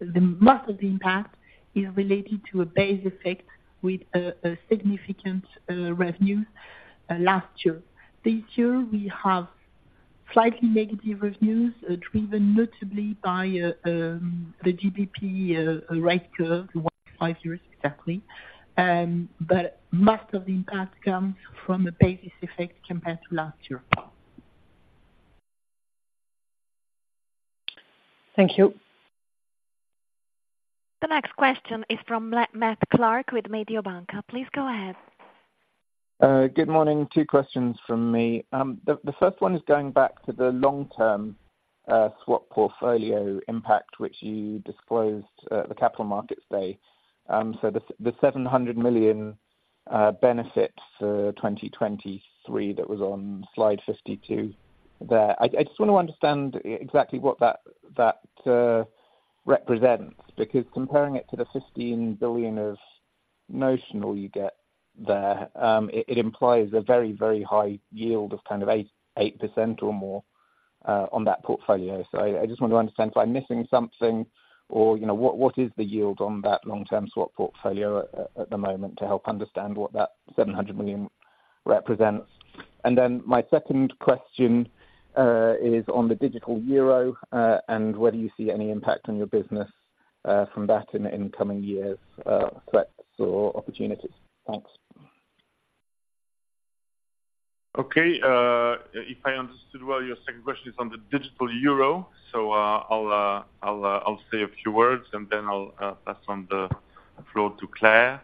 the mass of the impact is related to a base effect with a significant revenue last year. This year, we have slightly negative revenues, driven notably by the GBP rate curve, 1-5 years exactly. But most of the impact comes from a basis effect compared to last year. Thank you. The next question is from Matt Clark with Mediobanca. Please go ahead. Good morning. Two questions from me. The first one is going back to the long-term swap portfolio impact, which you disclosed at the Capital Markets Day. So the seven hundred million benefits for 2023, that was on slide 52, there. I just want to understand exactly what that represents, because comparing it to the 15 billion of notional you get there, it implies a very, very high yield of kind of 8% or more on that portfolio. So I just want to understand if I'm missing something or, you know, what is the yield on that long-term swap portfolio at the moment to help understand what that 700 million represents. And then my second question is on the digital euro, and whether you see any impact on your business from that in the incoming years, threats or opportunities? Thanks. Okay. If I understood well, your second question is on the digital euro. So, I'll say a few words, and then I'll pass on the floor to Claire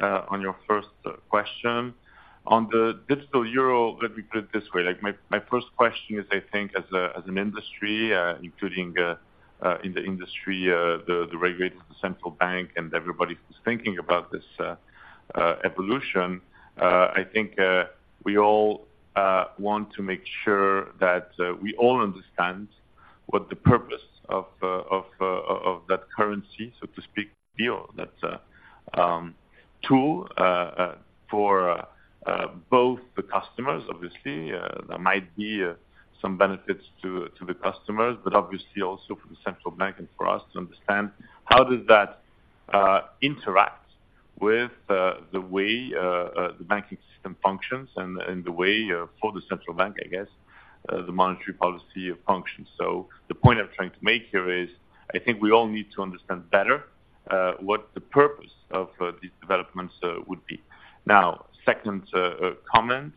on your first question. On the digital euro, let me put it this way. Like my first question is, I think as an industry, including in the industry, the regulators, the central bank, and everybody who's thinking about this evolution, I think we all want to make sure that we all understand what the purpose of that currency, so to speak, euro. That's a tool for both the customers, obviously, there might be some benefits to the customers, but obviously also for the central bank and for us to understand how does that interact with the way the banking system functions and the way for the central bank I guess, the monetary policy functions. So the point I'm trying to make here is, I think we all need to understand better what the purpose of these developments would be. Now, second comment.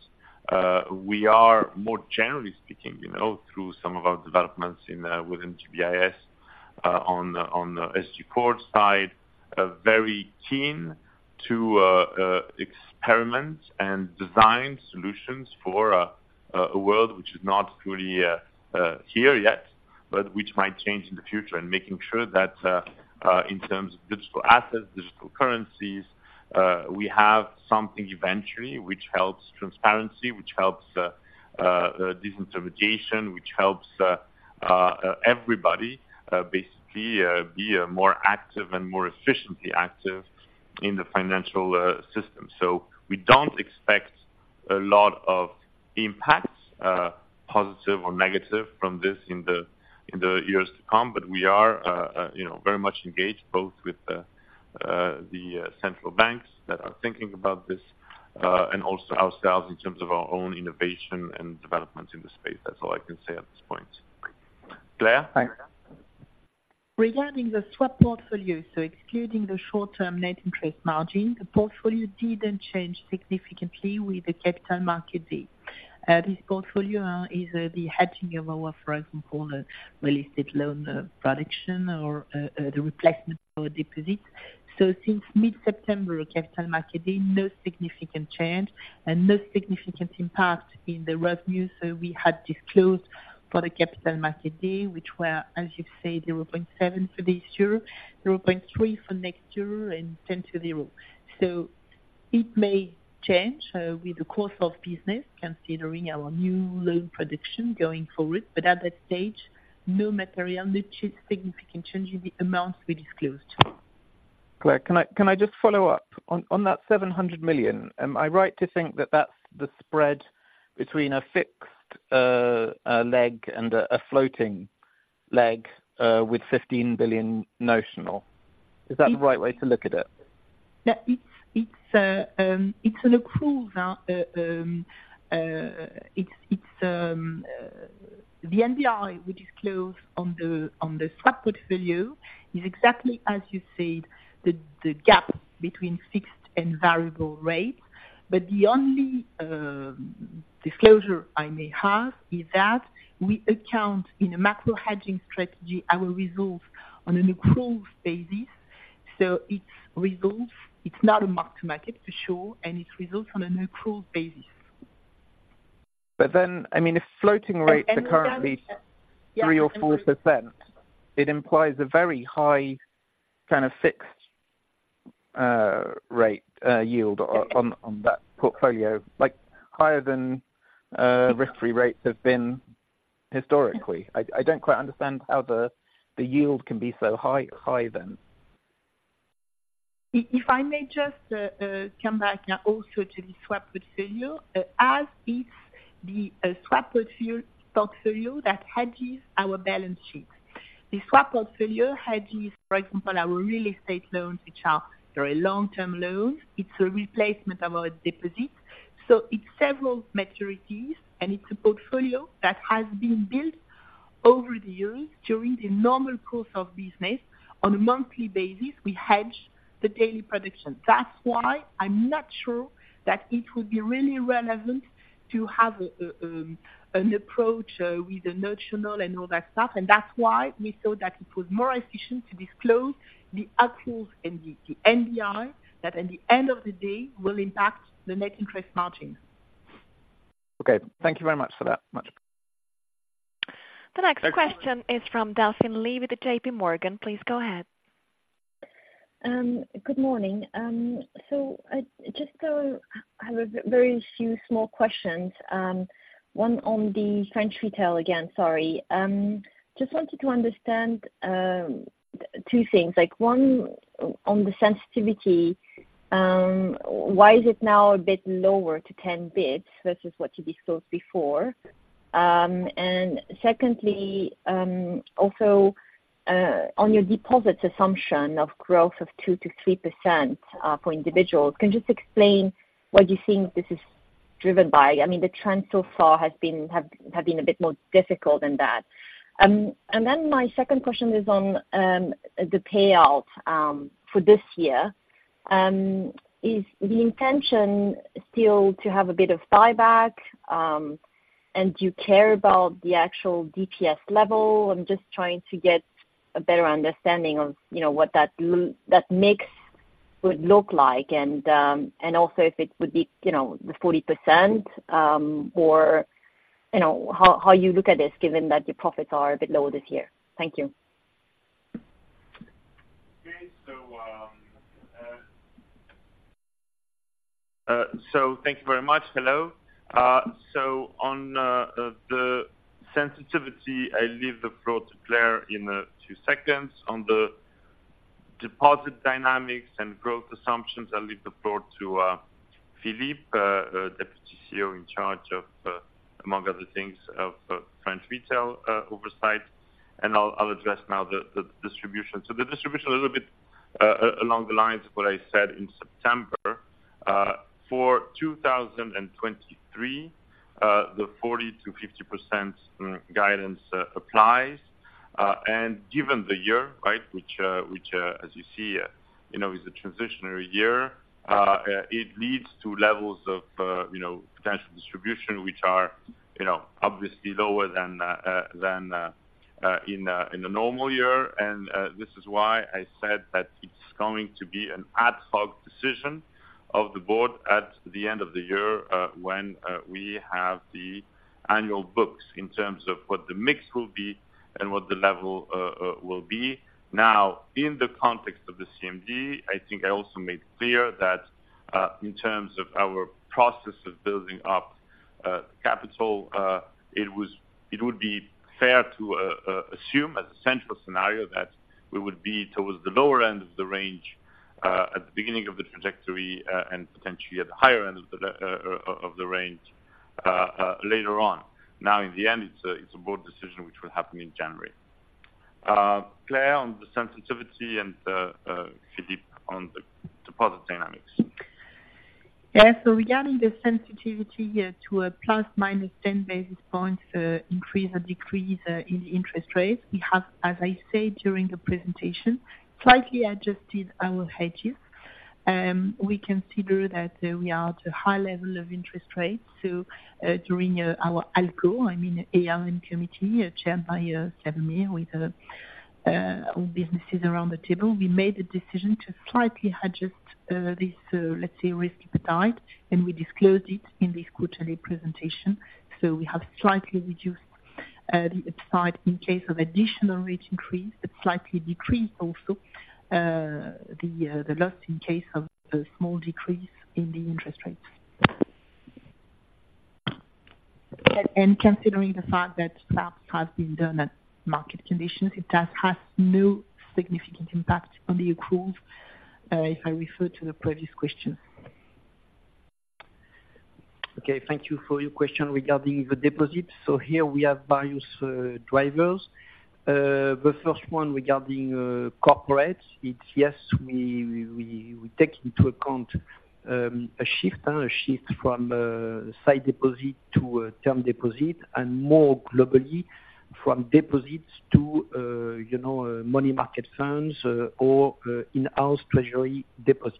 We are more generally speaking, you know, through some of our developments in within GBIS, on the SG Forge side, very keen to experiment and design solutions for a world which is not fully here yet, but which might change in the future. And making sure that in terms of digital assets, digital currencies, we have something eventually, which helps transparency, which helps disintermediation, which helps everybody basically be more active and more efficiently active in the financial system. So we don't expect a lot of impacts, positive or negative from this in the years to come, but we are, you know, very much engaged both with the central banks that are thinking about this, and also ourselves in terms of our own innovation and developments in the space. That's all I can say at this point. Claire? Thanks. Regarding the swap portfolio, so excluding the short-term net interest margin, the portfolio didn't change significantly with the capital market day. This portfolio is the hedging of our, for example, real estate loan production or the replacement for deposits. So since mid-September capital market day, no significant change and no significant impact in the revenue. So we had disclosed for the capital market day, which were, as you said, 0.7 for this year, 0.3 for next year, and 10 to 0. So it may change with the course of business, considering our new loan production going forward, but at that stage, no material, no significant change in the amounts we disclosed. Claire, can I just follow up? On that 700 million, am I right to think that that's the spread between a fixed leg and a floating leg with 15 billion notional? Is that the right way to look at it? Yeah, it's an accrual, the NBI, which is closed on the swap portfolio, is exactly as you said, the gap between fixed and variable rate. But the only disclosure I may have is that we account in a macro hedging strategy, our results on an accrual basis. So it's results, not a mark to market for sure, and it's results on an accrual basis. But then, I mean, if floating rates are currently 3%-4%, it implies a very high kind of fixed rate yield on that portfolio, like higher than risk-free rates have been historically. I don't quite understand how the yield can be so high then. If I may just come back now also to the swap portfolio, as is the swap portfolio that hedges our balance sheet. The swap portfolio hedges, for example, our real estate loans, which are very long-term loans. It's a replacement of our deposits, so it's several maturities, and it's a portfolio that has been built over the years during the normal course of business. On a monthly basis, we hedge the daily production. That's why I'm not sure that it would be really relevant to have an approach with the notional and all that stuff, and that's why we thought that it was more efficient to disclose the accruals and the NBI, that at the end of the day will impact the net interest margin. Okay. Thank you very much for that. Much appreciated. The next question is from Delphine Lee with JPMorgan. Please go ahead. Good morning. So I just have a very few small questions. One on the French retail again, sorry. Just wanted to understand two things. Like, one, on the sensitivity, why is it now a bit lower to 10 basis points versus what you disclosed before? And secondly, also, on your deposits assumption of growth of 2%-3% for individuals, can you just explain what you think this is driven by? I mean, the trend so far has been a bit more difficult than that. And then my second question is on the payout for this year. Is the intention still to have a bit of buyback, and do you care about the actual DPS level? I'm just trying to get a better understanding of, you know, what that mix would look like, and also if it would be, you know, the 40%, or, you know, how you look at this, given that your profits are a bit lower this year. Thank you. Okay. So, thank you very much. Hello. So on the sensitivity, I leave the floor to Claire in two seconds. On the deposit dynamics and growth assumptions, I'll leave the floor to Philippe, deputy CEO in charge of, among other things, of French Retail Oversight. And I'll address now the distribution. So the distribution, a little bit along the lines of what I said in September. For 2023, the 40%-50% guidance applies. And given the year, right, which, as you see, you know, is a transitionary year, it leads to levels of, you know, potential distribution, which are, you know, obviously lower than in a normal year. This is why I said that it's going to be an ad hoc decision of the board at the end of the year, when we have the annual books, in terms of what the mix will be and what the level will be. Now, in the context of the CMD, I think I also made clear that, in terms of our process of building up capital, it was, it would be fair to assume as a central scenario that we would be towards the lower end of the range, at the beginning of the trajectory, and potentially at the higher end of the range later on. Now, in the end, it's a board decision which will happen in January. Claire, on the sensitivity and Philippe on the deposit dynamics. Yeah, so regarding the sensitivity, yeah, to a ±10 basis points increase or decrease in the interest rates, we have, as I said during the presentation, slightly adjusted our hedges. We consider that we are at a high level of interest rates, so during our ALCO, I mean, ALM committee, chaired by Xavier, with all businesses around the table, we made a decision to slightly adjust this, let's say, risk appetite, and we disclosed it in this quarterly presentation. So we have slightly reduced the upside in case of additional rate increase, but slightly decreased also the loss in case of a small decrease in the interest rates. Considering the fact that swaps has been done at market conditions, it does have no significant impact on the accruals, if I refer to the previous question. Okay, thank you for your question regarding the deposits. So here we have various drivers. The first one regarding corporates, it's yes, we take into account a shift from sight deposit to a term deposit, and more globally, from deposits to, you know, money market funds, or in-house treasury deposits.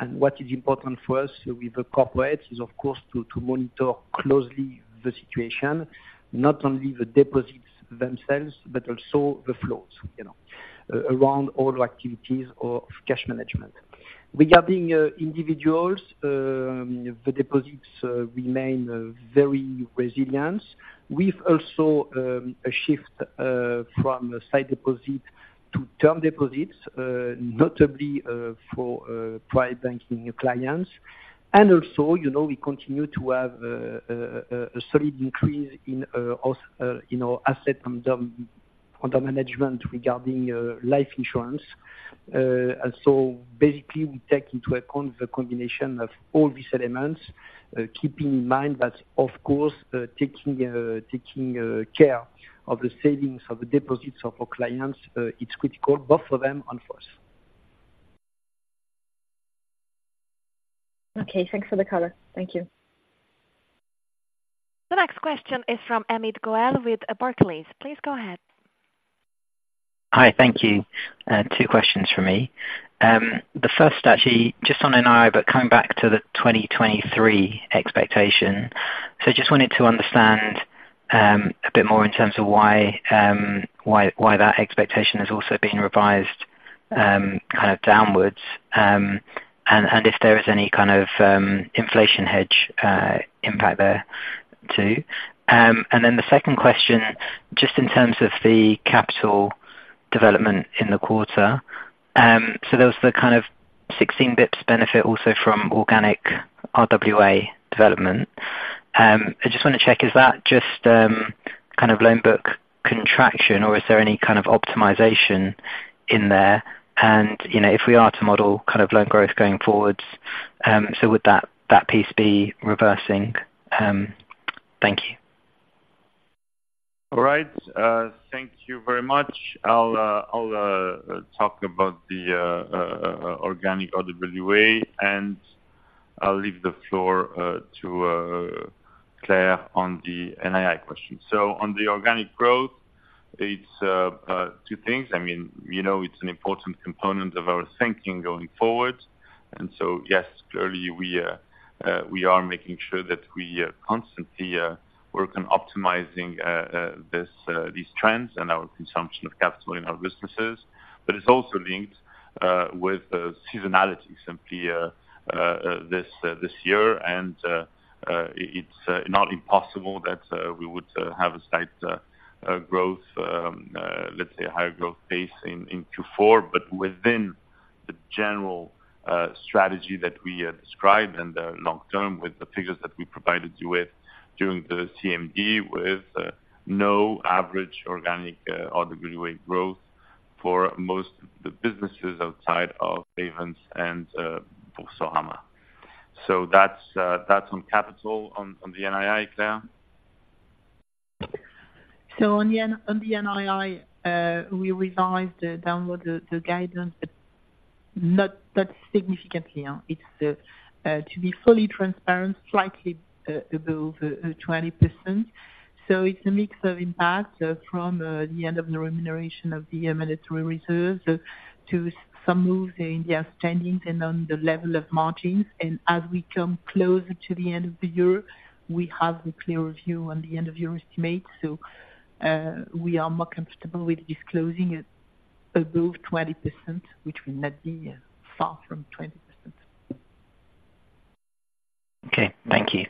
And what is important for us with the corporates is, of course, to monitor closely the situation, not only the deposits themselves, but also the flows, you know, around all activities of cash management. Regarding individuals, the deposits remain very resilient. We've also a shift from sight deposit to term deposits, notably for private banking clients. Also, you know, we continue to have a solid increase in our assets under management regarding life insurance. So basically, we take into account the combination of all these elements, keeping in mind that, of course, taking care of the savings and deposits of our clients, it's critical both for them and for us. Okay, thanks for the color. Thank you. The next question is from Amit Goel with Barclays. Please go ahead. Hi, thank you. Two questions from me. The first, actually, just on NII, but coming back to the 2023 expectation. So just wanted to understand a bit more in terms of why, why that expectation has also been revised kind of downwards, and if there is any kind of inflation hedge impact there too? And then the second question, just in terms of the capital development in the quarter, so there was the kind of 16 basis points benefit also from organic RWA development. I just want to check, is that just kind of loan book contraction, or is there any kind of optimization in there? And, you know, if we are to model kind of loan growth going forwards, so would that piece be reversing? Thank you. All right, thank you very much. I'll talk about the organic RWA, and I'll leave the floor to Claire on the NII question. So on the organic growth, it's two things. I mean, you know, it's an important component of our thinking going forward. And so, yes, clearly, we are making sure that we constantly work on optimizing these trends and our consumption of capital in our businesses. But it's also linked with seasonality, simply this year. It's not impossible that we would have a slight growth, let's say a higher growth pace in Q4, but within the general strategy that we have described in the long term, with the figures that we provided you with during the CMD, with no average organic RWA growth for most of the businesses outside of Ayvens and Boursorama. So that's on capital, on the NII, Claire? So on the NII, we revised downward the guidance, but not that significantly, it's to be fully transparent, slightly above 20%. So it's a mix of impact from the end of the remuneration of the mandatory reserves, to some moves in the outstandings and on the level of margins. And as we come closer to the end of the year, we have a clearer view on the end of year estimate. So, we are more comfortable with disclosing it above 20%, which will not be far from 20%. Okay, thank you.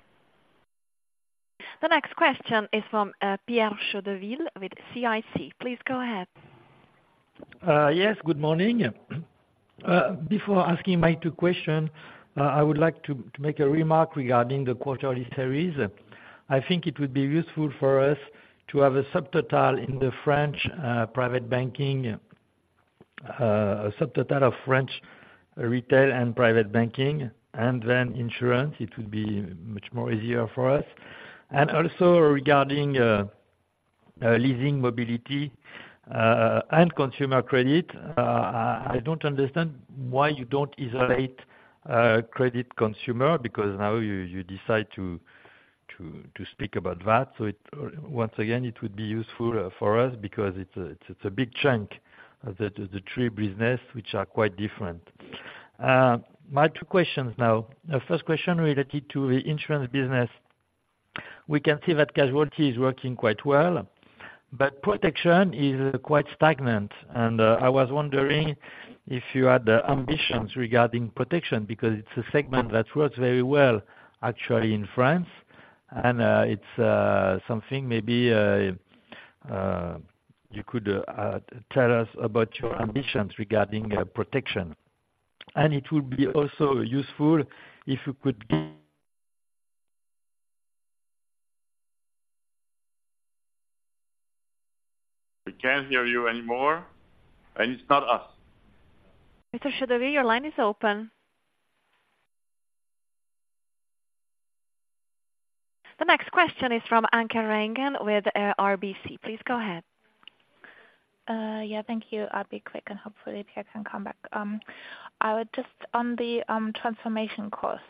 The next question is from Pierre Chedeville with CIC. Please go ahead. Yes, good morning. Before asking my two question, I would like to make a remark regarding the quarterly series. I think it would be useful for us to have a subtotal in the French Private Banking, a subtotal of French Retail and Private Banking, and then Insurance. It would be much more easier for us. And also regarding leasing mobility and consumer credit, I don't understand why you don't isolate credit consumer, because now you decide to speak about that. So once again, it would be useful for us because it's a big chunk of the three business, which are quite different. My two questions now. The first question related to the Insurance business. We can see that casualty is working quite well, but protection is quite stagnant, and I was wondering if you had the ambitions regarding protection, because it's a segment that works very well, actually, in France. And it's something maybe you could tell us about your ambitions regarding protection. And it would be also useful if you could [inaudible] We can't hear you anymore, and it's not us. Mr. Chedeville, your line is open. The next question is from Anke Reingen, with RBC. Please go ahead. Yeah, thank you. I'll be quick, and hopefully I can come back. I would just on the transformation costs,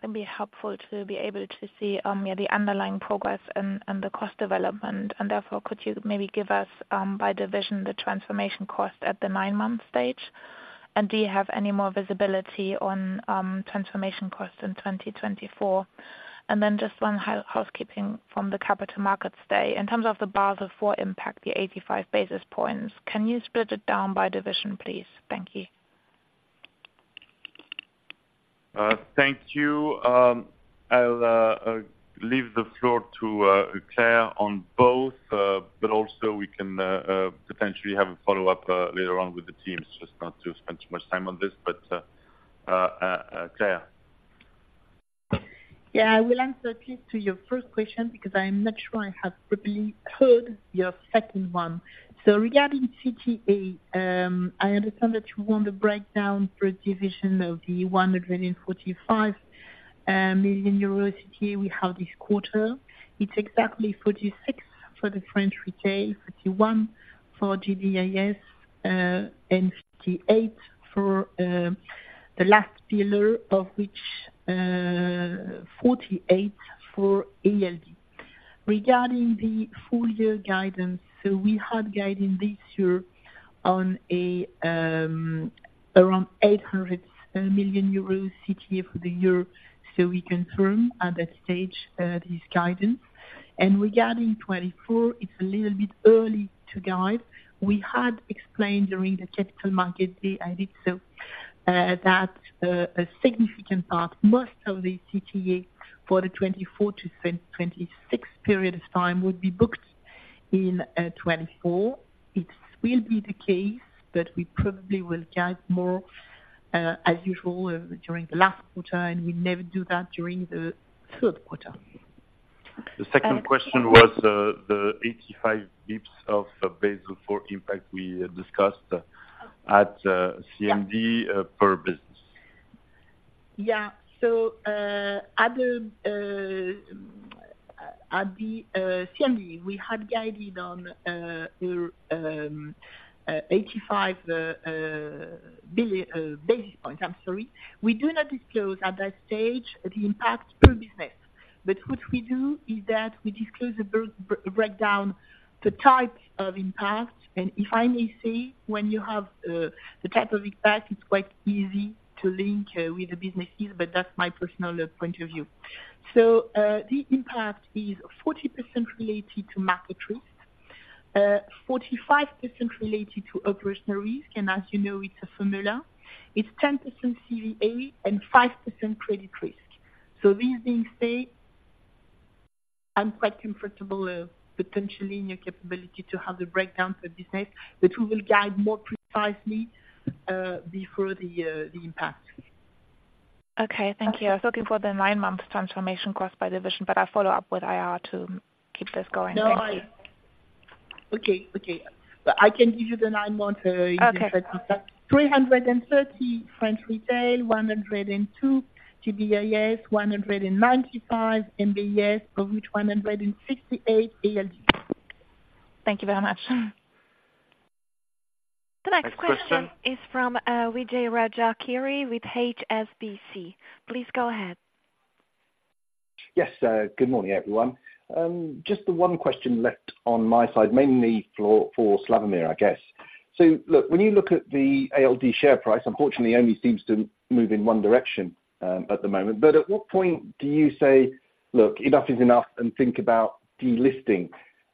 it'd be helpful to be able to see yeah, the underlying progress and the cost development, and therefore could you maybe give us by division, the transformation cost at the nine-month stage? And do you have any more visibility on transformation costs in 2024? And then just one housekeeping from the Capital Markets Day. In terms of the Basel IV impact, the 85 basis points, can you split it down by division, please? Thank you. Thank you. I'll leave the floor to Claire on both, but also we can potentially have a follow-up later on with the teams, just not to spend too much time on this, but Claire. Yeah. I will answer at least to your first question, because I'm not sure I have properly heard your second one. So regarding CTE, I understand that you want a breakdown per division of the 145 million euro CTE we have this quarter. It's exactly 46 million for the French Retail, 51 million for GBIS, and 58 million for the last pillar, of which 48 million for ALD. Regarding the full year guidance, so we had guided this year on a around 800 million euros CTE for the year, so we confirm at that stage this guidance. And regarding 2024, it's a little bit early to guide. We had explained during the Capital Markets Day, I did so, that a significant part, most of the CTE for the 2024-2026 period of time would be booked in 2024. It will be the case, but we probably will guide more, as usual, during the last quarter, and we never do that during the third quarter. The second question was, the 85 basis points of Basel IV impact we discussed at CMD, per business. Yeah. So, at the CMD, we had guided on 85 basis points, I'm sorry. We do not disclose at that stage the impact per business, but what we do is that we disclose a breakdown, the type of impact. And if I may say, when you have the type of impact, it's quite easy to link with the businesses, but that's my personal point of view. So, the impact is 40% related to market risk, 45% related to operational risk, and as you know, it's a formula. It's 10% CVA and 5% credit risk. So these things stay, I'm quite comfortable potentially in your capability to have the breakdown for business, but we will guide more precisely before the impact. Okay, thank you. I was looking for the nine-month transformation cost by division, but I'll follow up with IR to keep this going. No, okay, okay. But I can give you the nine-month 330 French Retail, 102 GBIS, 195 IBFS, of which 168 ALD. Thank you very much. The next question is from Kiri Vijayarajah, with HSBC. Please go ahead. Yes, good morning, everyone. Just the one question left on my side, mainly for Slawomir, I guess. So look, when you look at the ALD share price, unfortunately only seems to move in one direction at the moment. But at what point do you say, "Look, enough is enough," and think about delisting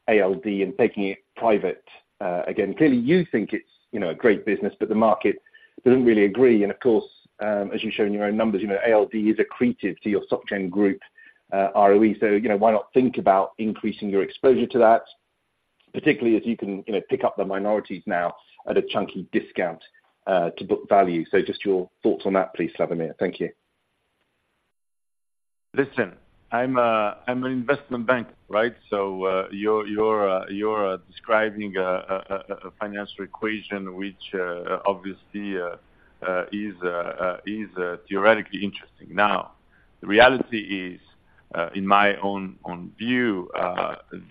ALD and taking it private again? Clearly, you think it's, you know, a great business, but the market doesn't really agree, and of course, as you've shown in your own numbers, you know, ALD is accretive to your SocGen Group. ROE, so, you know, why not think about increasing your exposure to that, particularly as you can, you know, pick up the minorities now at a chunky discount to book value. So just your thoughts on that, please, Slawomir. Thank you. Listen, I'm an investment bank, right? So, you're describing a financial equation, which obviously is theoretically interesting. Now, the reality is, in my own view,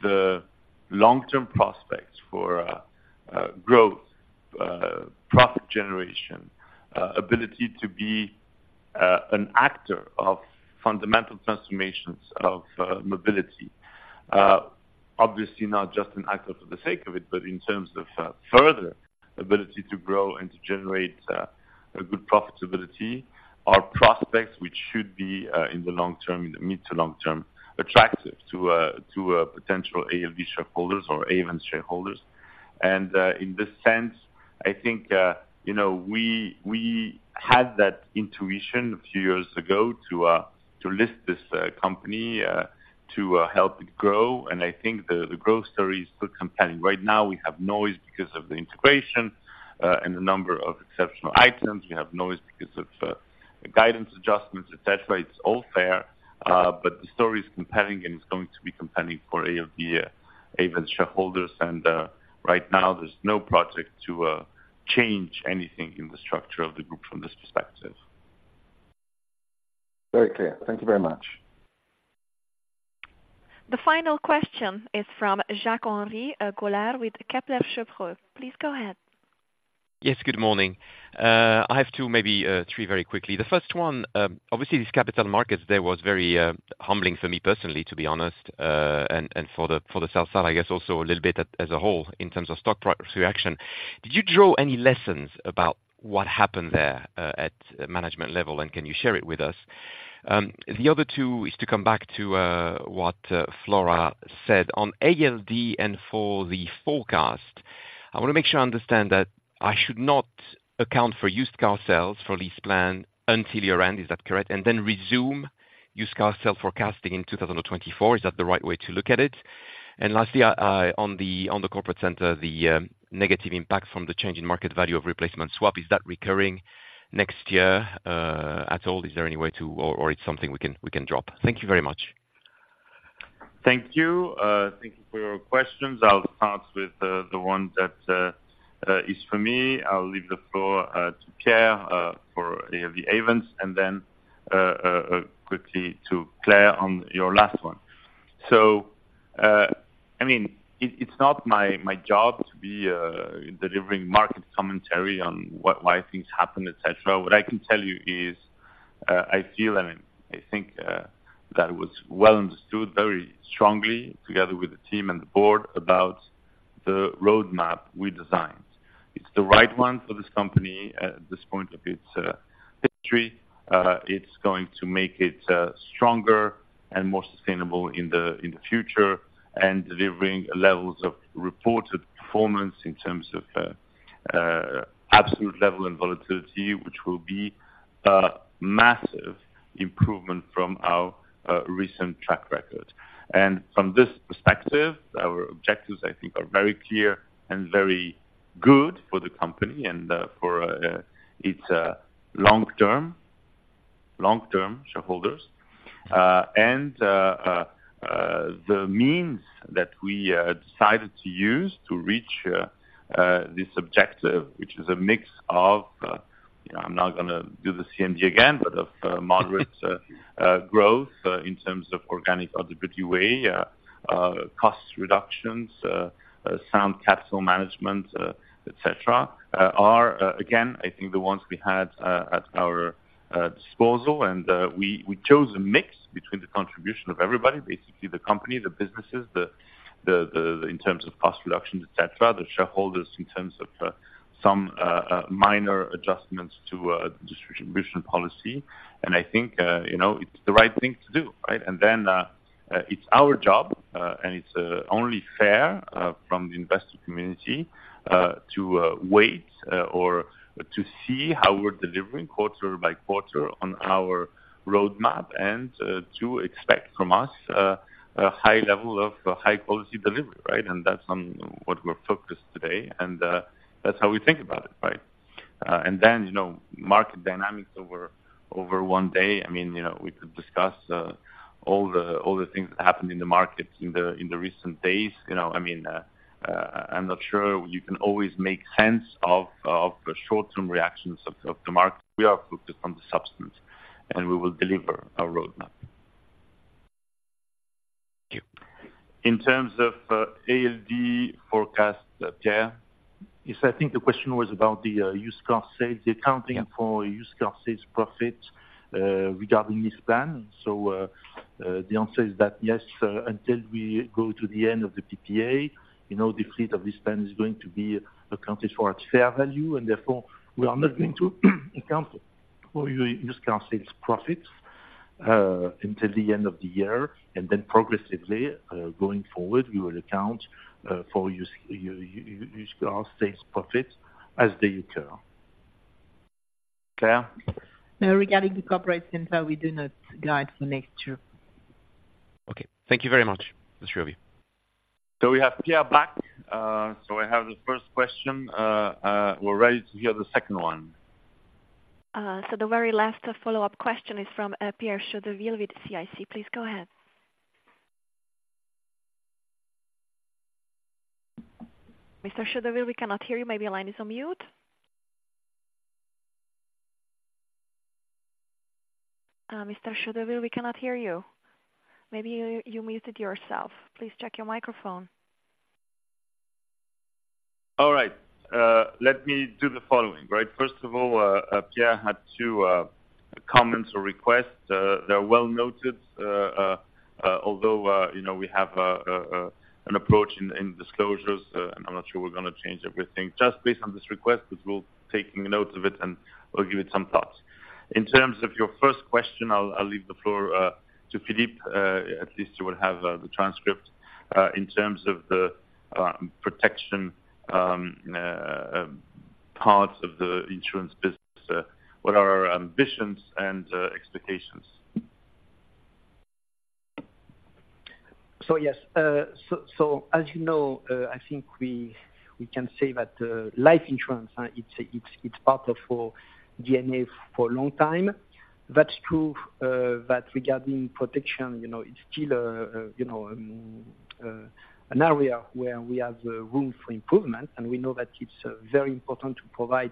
the long-term prospects for growth, profit generation, ability to be an actor of fundamental transformations of mobility, obviously not just an actor for the sake of it, but in terms of further ability to grow and to generate a good profitability, are prospects which should be in the long term, in the mid- to long-term, attractive to potential ALD shareholders or Ayvens shareholders. And, in this sense, I think, you know, we, we had that intuition a few years ago to, to list this, company, to, help it grow. And I think the, the growth story is still compelling. Right now, we have noise because of the integration, and the number of exceptional items. We have noise because of, guidance adjustments, et cetera. It's all fair, but the story is compelling, and it's going to be compelling for ALD, Ayvens shareholders, and, right now there's no products to, change anything in the structure of the group from this perspective. Very clear. Thank you very much. The final question is from Jacques-Henri Gaulard with Kepler Cheuvreux. Please go ahead. Yes, good morning. I have two, maybe, three very quickly. The first one, obviously, this Capital Markets Day was very humbling for me, personally, to be honest, and, and for the, for the sell side, I guess also a little bit as, as a whole in terms of stock price reaction. Did you draw any lessons about what happened there, at management level, and can you share it with us? The other two is to come back to, what, Flora said. On ALD and for the forecast, I want to make sure I understand that I should not account for used car sales for LeasePlan until year-end. Is that correct? And then resume used car sales forecasting in 2024, is that the right way to look at it? And lastly, on the Corporate Center, the negative impact from the change in market value of replacement swap, is that recurring next year at all? Is there any way to or it's something we can drop? Thank you very much. Thank you. Thank you for your questions. I'll start with the one that is for me. I'll leave the floor to Pierre for ALD and Ayvens, and then quickly to Claire on your last one. So, I mean, it's not my job to be delivering market commentary on what- why things happen, et cetera. What I can tell you is, I feel, I mean, I think that it was well understood, very strongly, together with the team and the board, about the roadmap we designed. It's the right one for this company at this point of its history. It's going to make it stronger and more sustainable in the future, and delivering levels of reported performance in terms of absolute level and volatility, which will be a massive improvement from our recent track record. From this perspective, our objectives, I think, are very clear and very good for the company and for its long-term shareholders. And the means that we decided to use to reach this objective, which is a mix of, you know, I'm not gonna do the CMD again, but of moderate growth in terms of organic RWA, cost reductions, sound capital management, et cetera, are again, I think, the ones we had at our disposal. We chose a mix between the contribution of everybody, basically the company, the businesses, in terms of cost reductions, et cetera, the shareholders, in terms of some minor adjustments to distribution policy. I think, you know, it's the right thing to do, right? Then, it's our job, and it's only fair, from the investor community, to wait or to see how we're delivering quarter by quarter on our roadmap, and to expect from us a high level of high quality delivery, right? That's on what we're focused today, and that's how we think about it, right? And then, you know, market dynamics over one day, I mean, you know, we could discuss all the things that happened in the market in the recent days. You know, I mean, I'm not sure you can always make sense of the short-term reactions of the market. We are focused on the substance, and we will deliver our roadmap. Thank you. In terms of ALD forecast, Pierre? Yes, I think the question was about the used car sales, the accounting for used car sales profit, regarding LeasePlan. So, the answer is that yes, until we go to the end of the PPA, you know, the fleet of LeasePlan is going to be accounted for at fair value, and therefore, we are not going to account for used car sales profits, until the end of the year, and then progressively, going forward, we will account for used car sales profit as they occur. Claire? No, regarding the Corporate Center, we do not guide for next year. Okay. Thank you very much, Monsieur Chedeville. So we have Pierre back. So I have the first question. We're ready to hear the second one. So the very last follow-up question is from Pierre Chedeville with CIC. Please go ahead. Mr. Chedeville, we cannot hear you. Maybe your line is on mute. Mr. Chedeville, we cannot hear you. Maybe you muted yourself. Please check your microphone. All right, let me do the following, right? First of all, Pierre had two comments or requests. They're well noted. Although, you know, we have an approach in disclosures, and I'm not sure we're gonna change everything just based on this request, but we'll take notes of it, and we'll give it some thought. In terms of your first question, I'll leave the floor to Philippe. At least you will have the transcript in terms of the protection part of the insurance business. What are our ambitions and expectations? So, yes. So, as you know, I think we can say that life insurance, it's part of our DNA for a long time. That's true, but regarding protection, you know, it's still a, you know, an area where we have room for improvement, and we know that it's very important to provide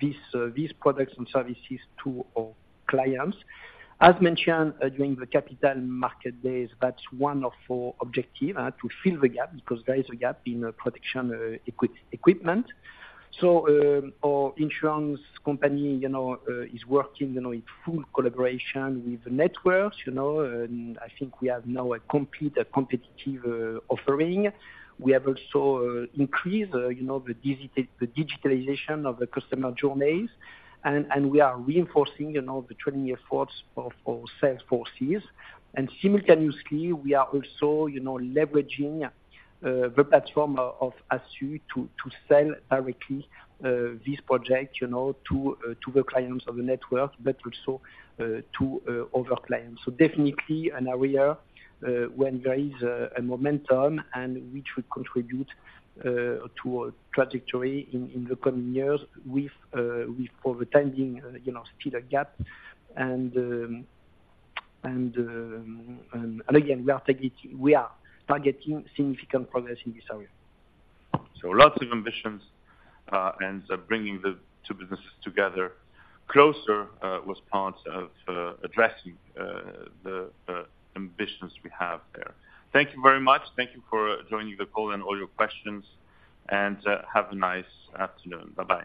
these products and services to our clients. As mentioned, during the capital market days, that's one of our objective to fill the gap, because there is a gap in protection equipment. So, our insurance company, you know, is working, you know, in full collaboration with the networks, you know, and I think we have now a complete, competitive offering. We have also increased, you know, the digitalization of the customer journeys. We are reinforcing, you know, the training efforts for our sales forces. And simultaneously, we are also, you know, leveraging the platform of Assurances to sell directly this project, you know, to the clients of the network, but also to other clients. So definitely an area when there is a momentum and which will contribute to our trajectory in the coming years with over time, you know, fill a gap. And again, we are targeting significant progress in this area. So lots of ambitions, and bringing the two businesses together closer was part of addressing the ambitions we have there. Thank you very much. Thank you for joining the call and all your questions, and have a nice afternoon. Bye-bye.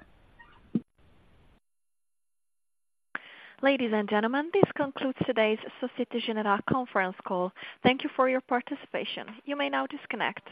Ladies and gentlemen, this concludes today's Société Générale conference call. Thank you for your participation. You may now disconnect.